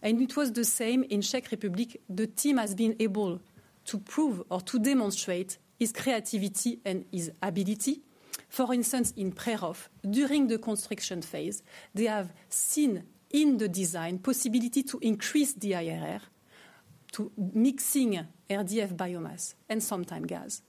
It was the same in the Czech Republic. The team has been able to prove or to demonstrate its creativity and its ability. For instance, in Přerov, during the construction phase, they have seen in the design possibility to increase the IRR to mixing RDF biomass and sometimes gas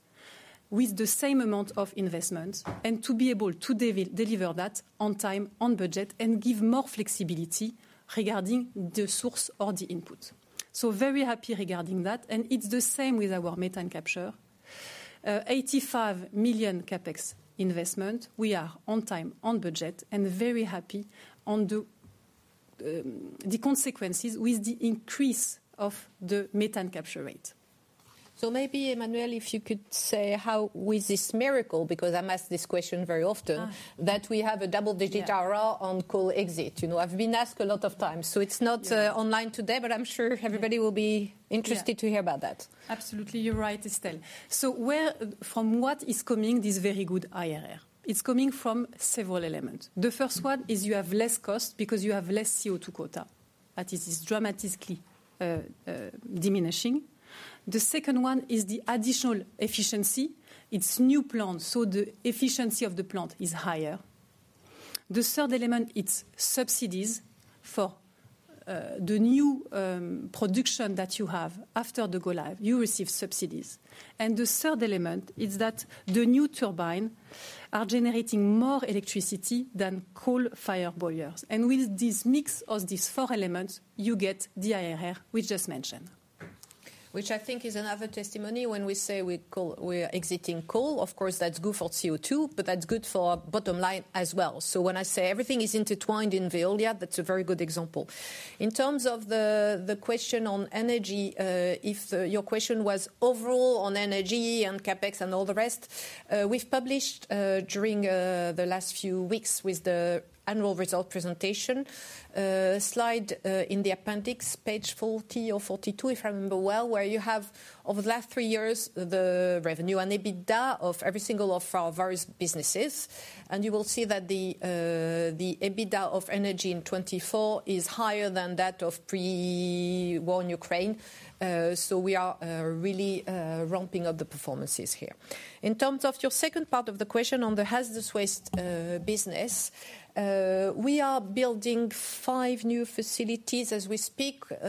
with the same amount of investment and to be able to deliver that on time, on budget, and give more flexibility regarding the source or the input. I am very happy regarding that. It is the same with our methane capture. 85 million CapEx investment, we are on time, on budget, and very happy on the consequences with the increase of the methane capture rate. Maybe, Emmanuelle, if you could say how with this miracle, because I'm asked this question very often, that we have a double-digit IRR on coal exit. I've been asked a lot of times. It's not online today, but I'm sure everybody will be interested to hear about that. Absolutely. You're right, Estelle. From what is coming this very good IRR? It's coming from several elements. The first one is you have less cost because you have less CO2 quota. That is dramatically diminishing. The second one is the additional efficiency. It's new plants, so the efficiency of the plant is higher. The third element, it's subsidies for the new production that you have after the go-live. You receive subsidies. The third element is that the new turbines are generating more electricity than coal-fired boilers. With this mix of these four elements, you get the IRR we just mentioned. Which I think is another testimony when we say we're exiting coal. Of course, that's good for CO2, but that's good for bottom line as well. When I say everything is intertwined in Veolia, that's a very good example. In terms of the question on energy, if your question was overall on energy and CapEx and all the rest, we've published during the last few weeks with the annual result presentation slide in the appendix, page 40 or 42, if I remember well, where you have over the last three years the revenue and EBITDA of every single of our various businesses. You will see that the EBITDA of energy in 2024 is higher than that of pre-war Ukraine. We are really ramping up the performances here. In terms of your second part of the question on the hazardous waste business, we are building five new facilities as we speak. We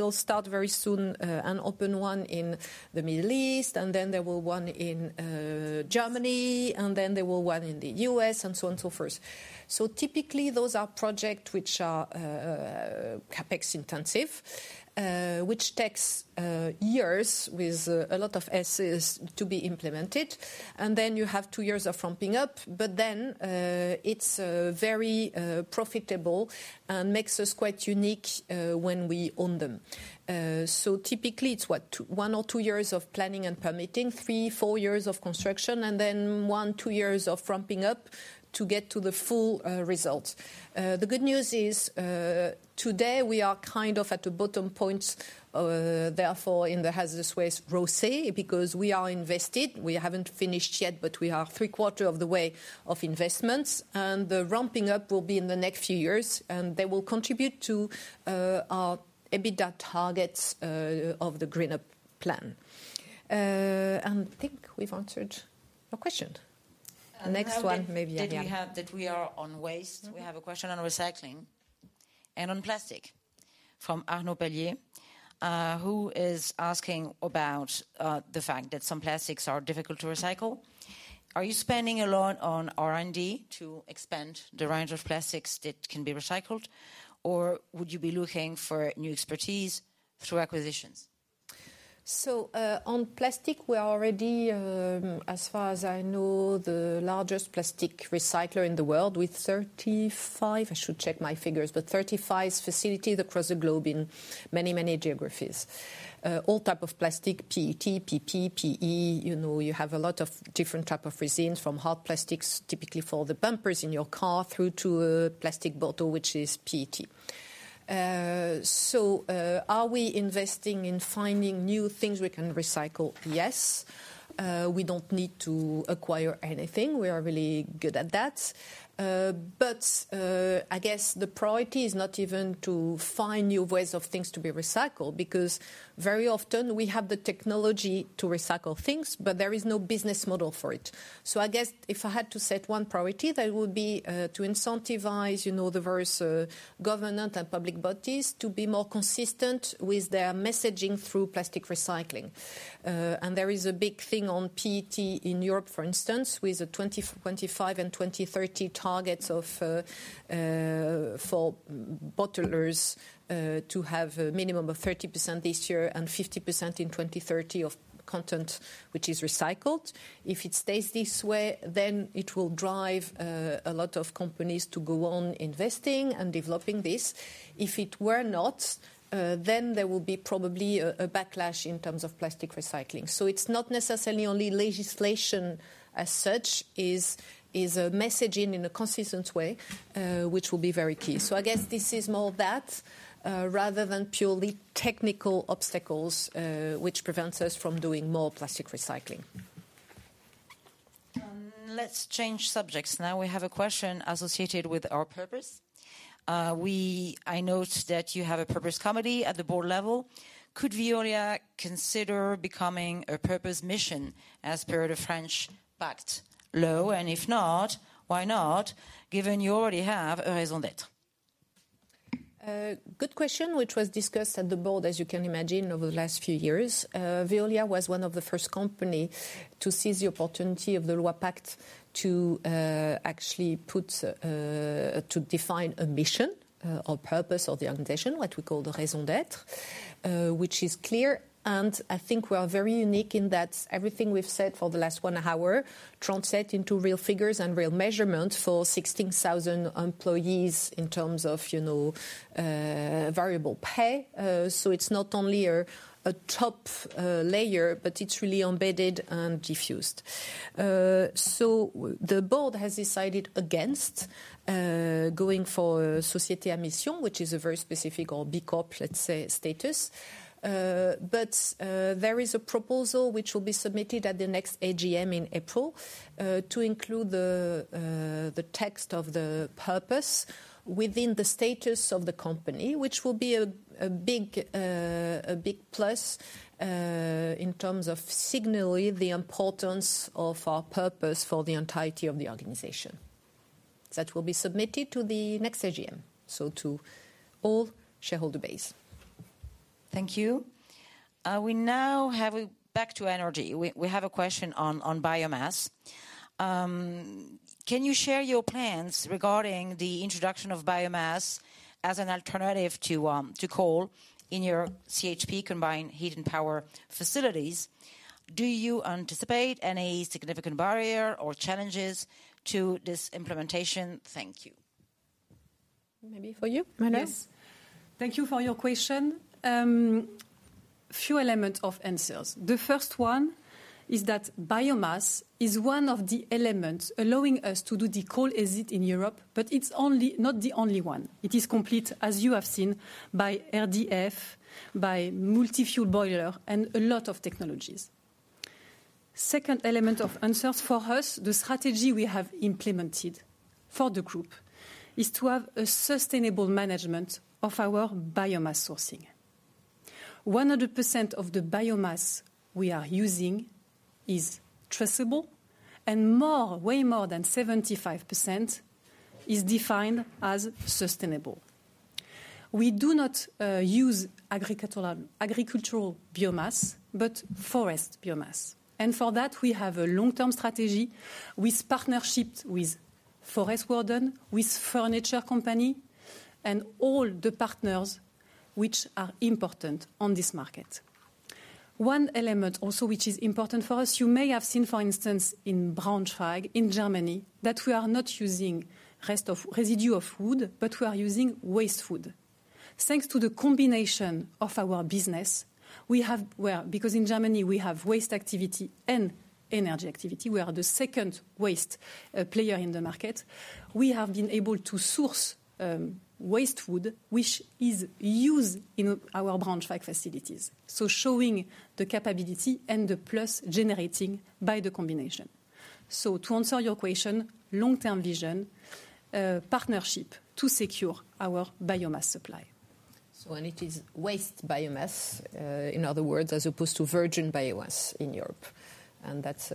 will start very soon and open one in the Middle East, and then there will be one in Germany, and then there will be one in the US, and so on and so forth. Typically, those are projects which are CapEx intensive, which take years with a lot of assets to be implemented. You have two years of ramping up, but then it is very profitable and makes us quite unique when we own them. Typically, it is what, one or two years of planning and permitting, three to four years of construction, and then one to two years of ramping up to get to the full result. The good news is today we are kind of at the bottom point, therefore in the hazardous waste ROCE because we are invested. We have not finished yet, but we are three-quarters of the way of investments. The ramping up will be in the next few years, and they will contribute to our EBITDA targets of the GreenUp plan. I think we have answered your question. The next one, maybe. Did we have that we are on waste? We have a question on recycling and on plastic from Arnaud Pellier, who is asking about the fact that some plastics are difficult to recycle. Are you spending a lot on R&D to expand the range of plastics that can be recycled, or would you be looking for new expertise through acquisitions? On plastic, we are already, as far as I know, the largest plastic recycler in the world with 35, I should check my figures, but 35 facilities across the globe in many, many geographies. All types of plastic, PET, PP, PE, you have a lot of different types of resins from hard plastics, typically for the bumpers in your car, through to a plastic bottle, which is PET. Are we investing in finding new things we can recycle? Yes. We do not need to acquire anything. We are really good at that. I guess the priority is not even to find new ways of things to be recycled because very often we have the technology to recycle things, but there is no business model for it. I guess if I had to set one priority, that would be to incentivize the various government and public bodies to be more consistent with their messaging through plastic recycling. There is a big thing on PET in Europe, for instance, with the 2025 and 2030 targets for bottlers to have a minimum of 30% this year and 50% in 2030 of content which is recycled. If it stays this way, then it will drive a lot of companies to go on investing and developing this. If it were not, then there will be probably a backlash in terms of plastic recycling. It is not necessarily only legislation as such, it is messaging in a consistent way, which will be very key. I guess this is more that rather than purely technical obstacles which prevent us from doing more plastic recycling. Let's change subjects now. We have a question associated with our purpose. I note that you have a purpose committee at the board level. Could Veolia consider becoming a purpose mission as per the French PACTE law? If not, why not, given you already have a raison d'être? Good question, which was discussed at the board, as you can imagine, over the last few years. Veolia was one of the first companies to seize the opportunity of the law PACTE to actually define a mission or purpose of the organization, what we call the raison d'être, which is clear. I think we are very unique in that everything we've said for the last one hour translates into real figures and real measurements for 16,000 employees in terms of variable pay. It's not only a top layer, but it's really embedded and diffused. The board has decided against going for société à mission, which is a very specific or B Corp, let's say, status. There is a proposal which will be submitted at the next AGM in April to include the text of the purpose within the status of the company, which will be a big plus in terms of signaling the importance of our purpose for the entirety of the organization. That will be submitted to the next AGM, to all shareholder base. Thank you. We now have back to energy. We have a question on biomass. Can you share your plans regarding the introduction of biomass as an alternative to coal in your CHP combined heat and power facilities? Do you anticipate any significant barrier or challenges to this implementation? Thank you. Maybe for you, Emmanuelle? Yes. Thank you for your question. Few elements of answers. The first one is that biomass is one of the elements allowing us to do the coal exit in Europe, but it's not the only one. It is complete, as you have seen, by RDF, by multi-fuel boiler, and a lot of technologies. Second element of answers for us, the strategy we have implemented for the group is to have a sustainable management of our biomass sourcing. 100% of the biomass we are using is traceable, and way more than 75% is defined as sustainable. We do not use agricultural biomass, but forest biomass. For that, we have a long-term strategy with partnerships with forest wardens, with furniture companies, and all the partners which are important on this market. One element also which is important for us, you may have seen, for instance, in Braunschweig in Germany, that we are not using residue of wood, but we are using waste wood. Thanks to the combination of our business, we have, because in Germany, we have waste activity and energy activity, we are the second waste player in the market, we have been able to source waste wood, which is used in our Braunschweig facilities. Showing the capability and the plus generating by the combination. To answer your question, long-term vision, partnership to secure our biomass supply. It is waste biomass, in other words, as opposed to virgin biomass in Europe. That is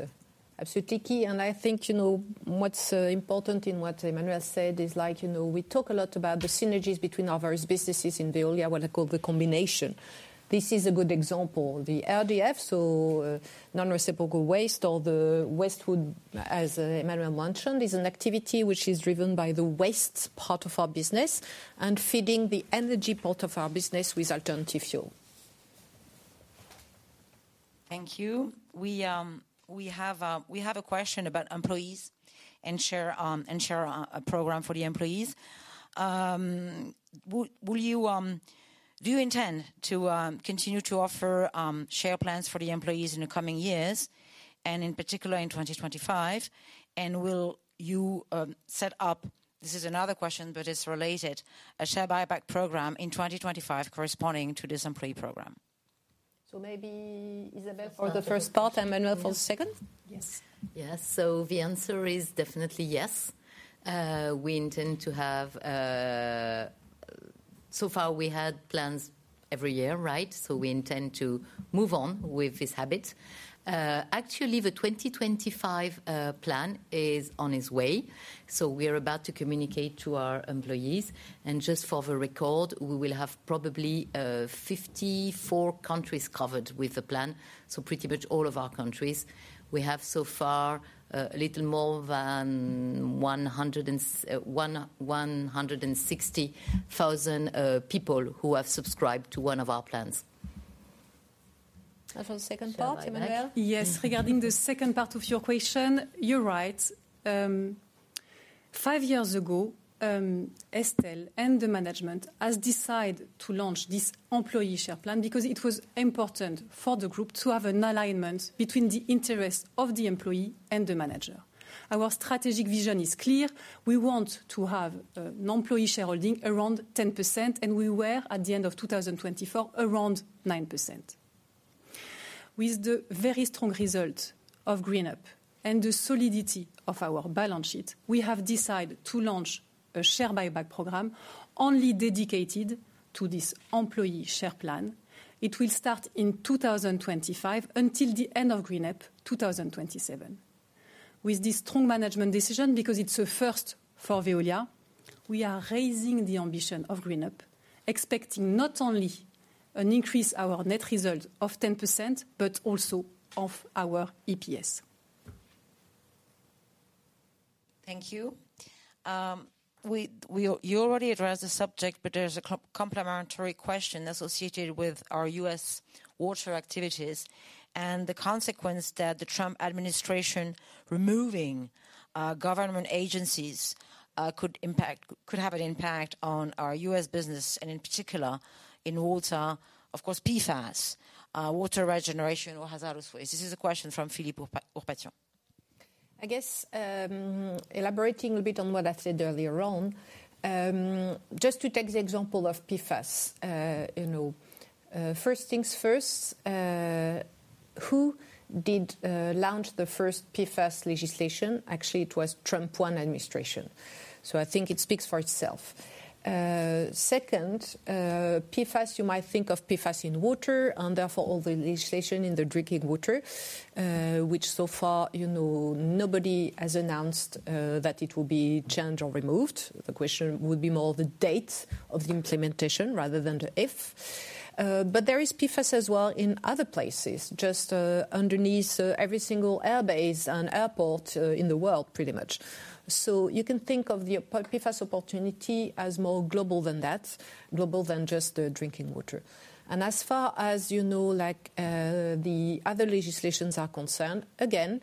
absolutely key. I think what is important in what Emmanuelle said is like we talk a lot about the synergies between our various businesses in Veolia, what I call the combination. This is a good example. The RDF, so non-recyclable waste, or the waste wood, as Emmanuelle mentioned, is an activity which is driven by the waste part of our business and feeding the energy part of our business with alternative fuel. Thank you. We have a question about employees and share a program for the employees. Do you intend to continue to offer share plans for the employees in the coming years, and in particular in 2025? Do you intend to set up, this is another question, but it is related, a share buyback program in 2025 corresponding to this employee program? Maybe Isabelle for the first part and Emmanuelle for the second? Yes. The answer is definitely yes. We intend to have, so far we had plans every year, right? We intend to move on with this habit. Actually, the 2025 plan is on its way. We are about to communicate to our employees. Just for the record, we will have probably 54 countries covered with the plan. Pretty much all of our countries. We have so far a little more than 160,000 people who have subscribed to one of our plans. For the second part, Emmanuelle? Yes, regarding the second part of your question, you're right. Five years ago, Estelle and the management have decided to launch this employee share plan because it was important for the group to have an alignment between the interests of the employee and the manager. Our strategic vision is clear. We want to have an employee shareholding around 10%, and we were at the end of 2024 around 9%. With the very strong result of GreenUp and the solidity of our balance sheet, we have decided to launch a share buyback program only dedicated to this employee share plan. It will start in 2025 until the end of GreenUp 2027. With this strong management decision, because it's a first for Veolia, we are raising the ambition of GreenUp, expecting not only an increase in our net result of 10%, but also of our EPS. Thank you. You already addressed the subject, but there's a complementary question associated with our US water activities and the consequence that the Trump administration removing government agencies could have an impact on our US business and in particular in water, of course, PFAS, water regeneration, or hazardous waste. This is a question from Philippe Pourpatien. I guess elaborating a bit on what I said earlier on, just to take the example of PFAS, first things first, who did launch the first PFAS legislation? Actually, it was Trump 1 administration. I think it speaks for itself. Second, PFAS, you might think of PFAS in water and therefore all the legislation in the drinking water, which so far nobody has announced that it will be changed or removed. The question would be more the date of the implementation rather than the if. There is PFAS as well in other places, just underneath every single airbase and airport in the world, pretty much. You can think of the PFAS opportunity as more global than that, global than just the drinking water. As far as the other legislations are concerned, again,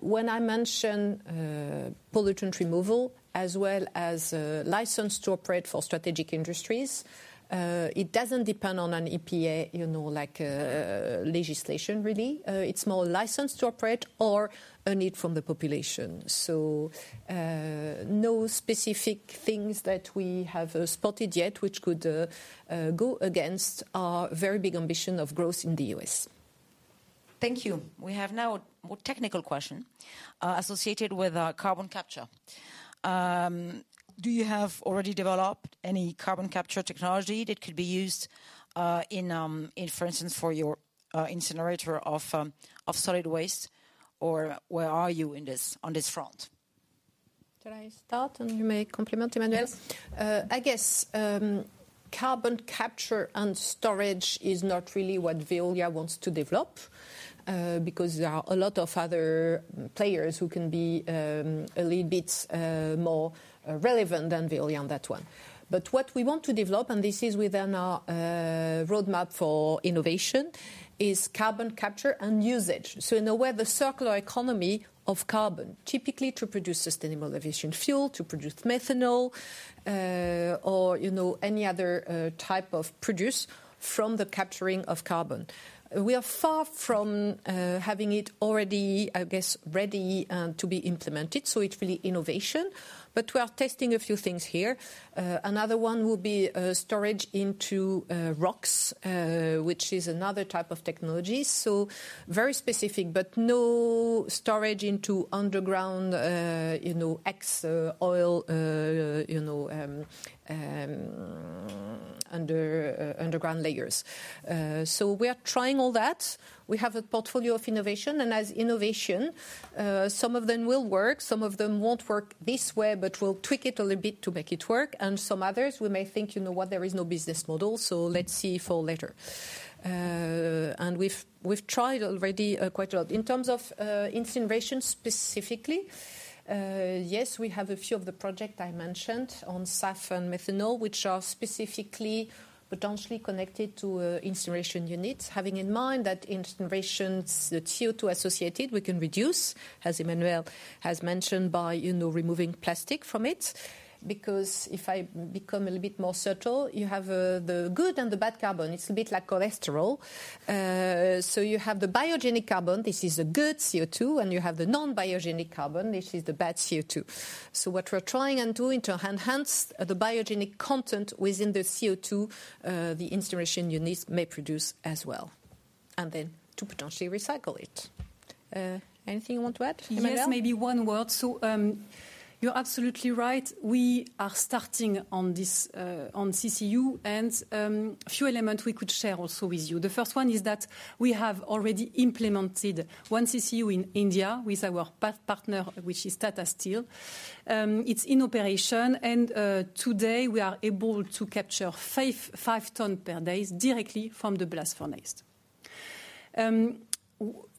when I mention pollutant removal as well as license to operate for strategic industries, it does not depend on an EPA legislation, really. It is more license to operate or a need from the population. No specific things that we have spotted yet which could go against our very big ambition of growth in the U.S. Thank you. We have now a more technical question associated with carbon capture. Do you have already developed any carbon capture technology that could be used in, for instance, for your incinerator of solid waste? Or where are you on this front? Can I start and you may complement, Emmanuelle? Yes. I guess carbon capture and storage is not really what Veolia wants to develop because there are a lot of other players who can be a little bit more relevant than Veolia on that one. What we want to develop, and this is within our roadmap for innovation, is carbon capture and usage. In a way, the circular economy of carbon, typically to produce sustainable aviation fuel, to produce methanol, or any other type of produce from the capturing of carbon. We are far from having it already, I guess, ready to be implemented. It is really innovation. We are testing a few things here. Another one will be storage into rocks, which is another type of technology. Very specific, but no storage into underground ex-oil underground layers. We are trying all that. We have a portfolio of innovation. As innovation, some of them will work, some of them will not work this way, but we will tweak it a little bit to make it work. Some others, we may think, you know what, there is no business model, so let's see for later. We have tried already quite a lot. In terms of incineration specifically, yes, we have a few of the projects I mentioned on SAF and methanol, which are specifically potentially connected to incineration units, having in mind that incineration, the CO2 associated, we can reduce, as Emmanuelle has mentioned, by removing plastic from it. Because if I become a little bit more subtle, you have the good and the bad carbon. It is a bit like cholesterol. You have the biogenic carbon, this is the good CO2, and you have the non-biogenic carbon, this is the bad CO2. What we're trying and doing to enhance the biogenic content within the CO2, the incineration units may produce as well, and then to potentially recycle it. Anything you want to add, Emmanuelle? Yes, maybe one word. You're absolutely right. We are starting on CCU, and a few elements we could share also with you. The first one is that we have already implemented one CCU in India with our partner, which is Tata Steel. It's in operation. Today, we are able to capture 5 tons per day directly from the blast furnace.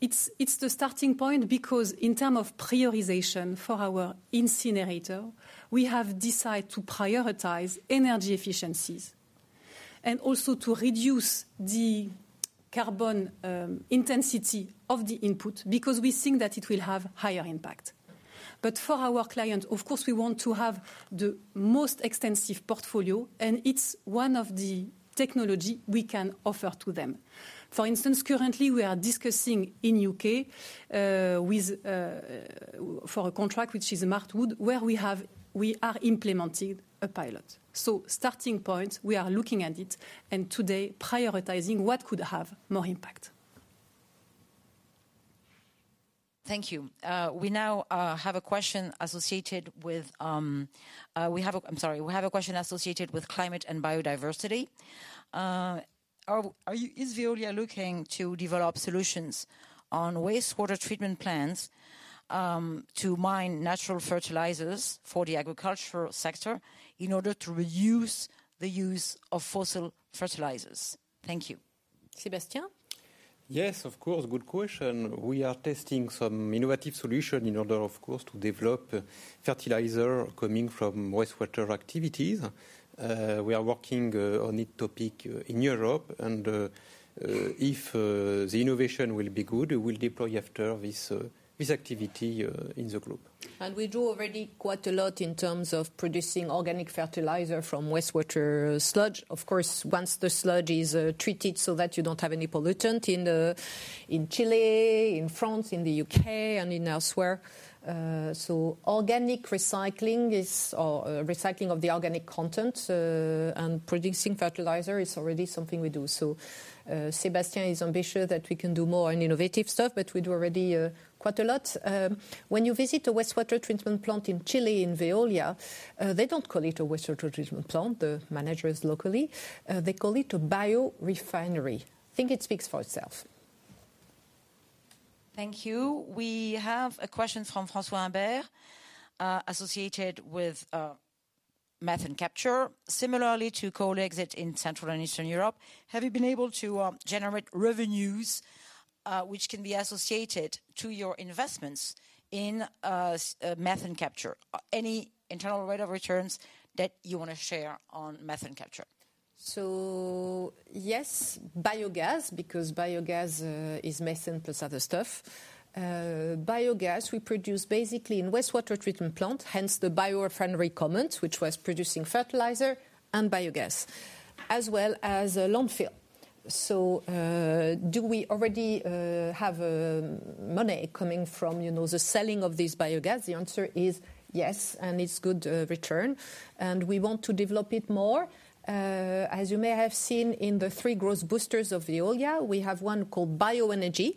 It's the starting point because in terms of prioritization for our incinerator, we have decided to prioritize energy efficiencies and also to reduce the carbon intensity of the input because we think that it will have a higher impact. For our client, of course, we want to have the most extensive portfolio, and it's one of the technologies we can offer to them. For instance, currently, we are discussing in the U.K. for a contract, which is Marchwood, where we are implementing a pilot. Starting point, we are looking at it and today prioritizing what could have more impact. Thank you. We now have a question associated with, I'm sorry, we have a question associated with climate and biodiversity. Is Veolia looking to develop solutions on wastewater treatment plants to mine natural fertilizers for the agricultural sector in order to reduce the use of fossil fertilizers? Thank you. Sébastien? Yes, of course. Good question. We are testing some innovative solutions in order, of course, to develop fertilizer coming from wastewater activities. We are working on it topic in Europe. If the innovation will be good, we will deploy after this activity in the group. We do already quite a lot in terms of producing organic fertilizer from wastewater sludge. Of course, once the sludge is treated so that you do not have any pollutant in Chile, in France, in the U.K., and elsewhere. Organic recycling of the organic content and producing fertilizer is already something we do. Sébastien is ambitious that we can do more and innovative stuff, but we do already quite a lot. When you visit a wastewater treatment plant in Chile in Veolia, they do not call it a wastewater treatment plant, the managers locally. They call it a biorefinery. I think it speaks for itself. Thank you. We have a question from François Humbert, associated with methane capture. Similarly to coal exit in Central and Eastern Europe, have you been able to generate revenues which can be associated to your investments in methane capture? Any internal rate of returns that you want to share on methane capture? Yes, biogas, because biogas is methane plus other stuff. Biogas, we produce basically in wastewater treatment plants, hence the biorefinery comment, which was producing fertilizer and biogas, as well as landfill. Do we already have money coming from the selling of this biogas? The answer is yes, and it's good return. We want to develop it more. As you may have seen in the three Growth Boosters of Veolia, we have one called bioenergy.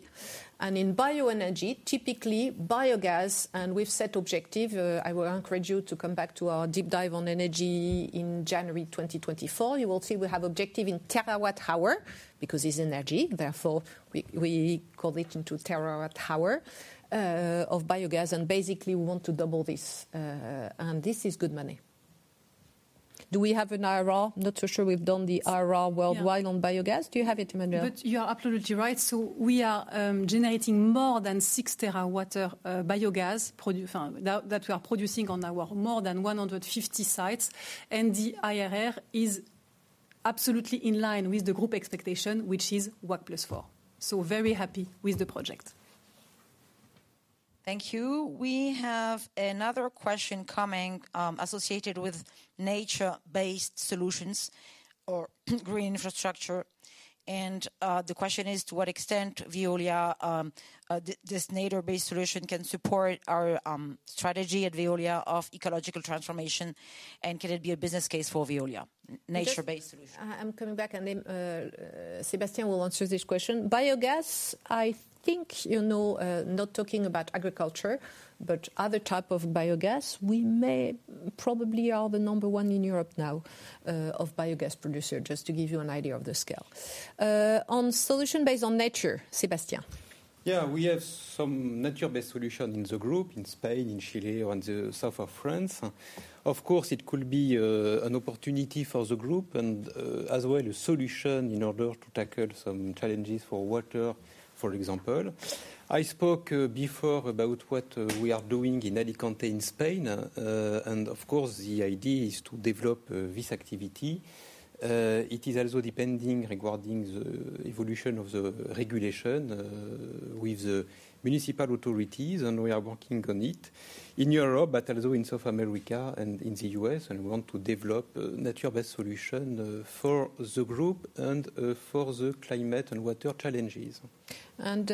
In bioenergy, typically biogas, and we've set objectives. I will encourage you to come back to our deep dive on energy in January 2024. You will see we have objective in terawatt-hour because it's energy. Therefore, we call it into terawatt-hour of biogas. Basically, we want to double this. This is good money. Do we have an IRR? Not so sure we've done the IRR worldwide on biogas. Do you have it, Emmanuelle? You are absolutely right. We are generating more than 6 terawatt-hour biogas that we are producing on our more than 150 sites. The IRR is absolutely in line with the group expectation, which is WACC plus four. Very happy with the project. Thank you. We have another question coming associated with nature-based solutions or green infrastructure. The question is, to what extent Veolia, this nature-based solution can support our strategy at Veolia of ecological transformation, and can it be a business case for Veolia, nature-based solution? I'm coming back, and Sébastien will answer this question. Biogas, I think, not talking about agriculture, but other type of biogas, we may probably be the number one in Europe now of biogas producers, just to give you an idea of the scale. On solution based on nature, Sébastien? Yeah, we have some nature-based solutions in the group, in Spain, in Chile, or in the south of France. Of course, it could be an opportunity for the group and as well a solution in order to tackle some challenges for water, for example. I spoke before about what we are doing in Alicante in Spain. Of course, the idea is to develop this activity. It is also depending regarding the evolution of the regulation with the municipal authorities, and we are working on it in Europe, but also in South America and in the U.S., and we want to develop nature-based solutions for the group and for the climate and water challenges. It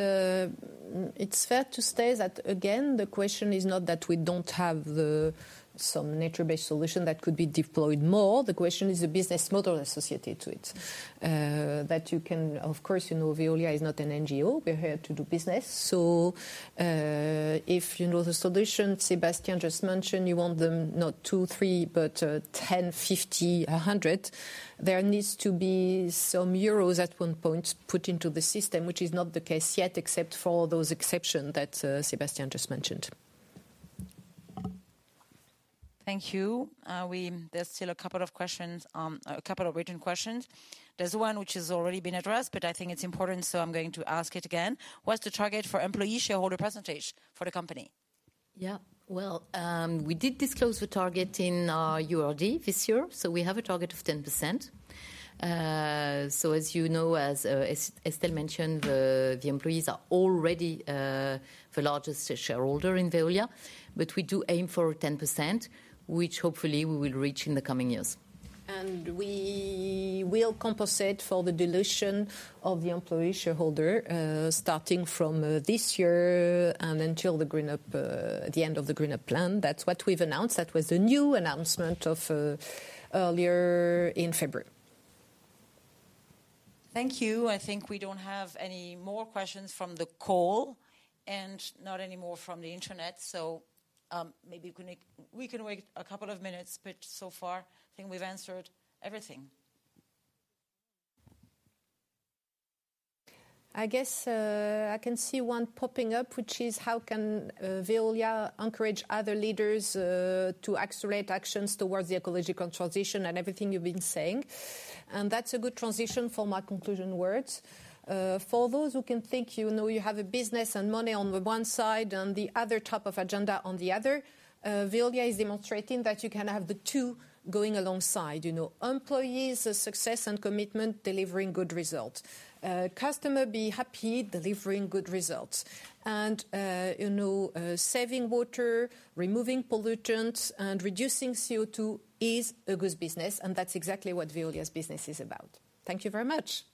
is fair to say that, again, the question is not that we do not have some nature-based solutions that could be deployed more. The question is the business model associated to it. You can, of course, Veolia is not an NGO. We are here to do business. If the solution Sébastien just mentioned, you want them not two, three, but 10, 50, 100, there needs to be some EUR at one point put into the system, which is not the case yet, except for those exceptions that Sébastien just mentioned. Thank you. There's still a couple of questions, a couple of written questions. There's one which has already been addressed, but I think it's important, so I'm going to ask it again. What's the target for employee shareholder percentage for the company? Yeah, we did disclose the target in our URD this year. We have a target of 10%. As you know, as Estelle mentioned, the employees are already the largest shareholder in Veolia, but we do aim for 10%, which hopefully we will reach in the coming years. We will compensate for the dilution of the employee shareholder starting from this year and until the end of the GreenUp plan. That is what we have announced. That was the new announcement earlier in February. Thank you. I think we do not have any more questions from the call and not any more from the internet. Maybe we can wait a couple of minutes, but so far, I think we have answered everything. I guess I can see one popping up, which is how can Veolia encourage other leaders to accelerate actions towards the ecological transition and everything you've been saying. That is a good transition for my conclusion words. For those who can think you have a business and money on the one side and the other type of agenda on the other, Veolia is demonstrating that you can have the two going alongside. Employees, success and commitment, delivering good results. Customer be happy, delivering good results. Saving water, removing pollutants, and reducing CO2 is a good business. That is exactly what Veolia's business is about. Thank you very much.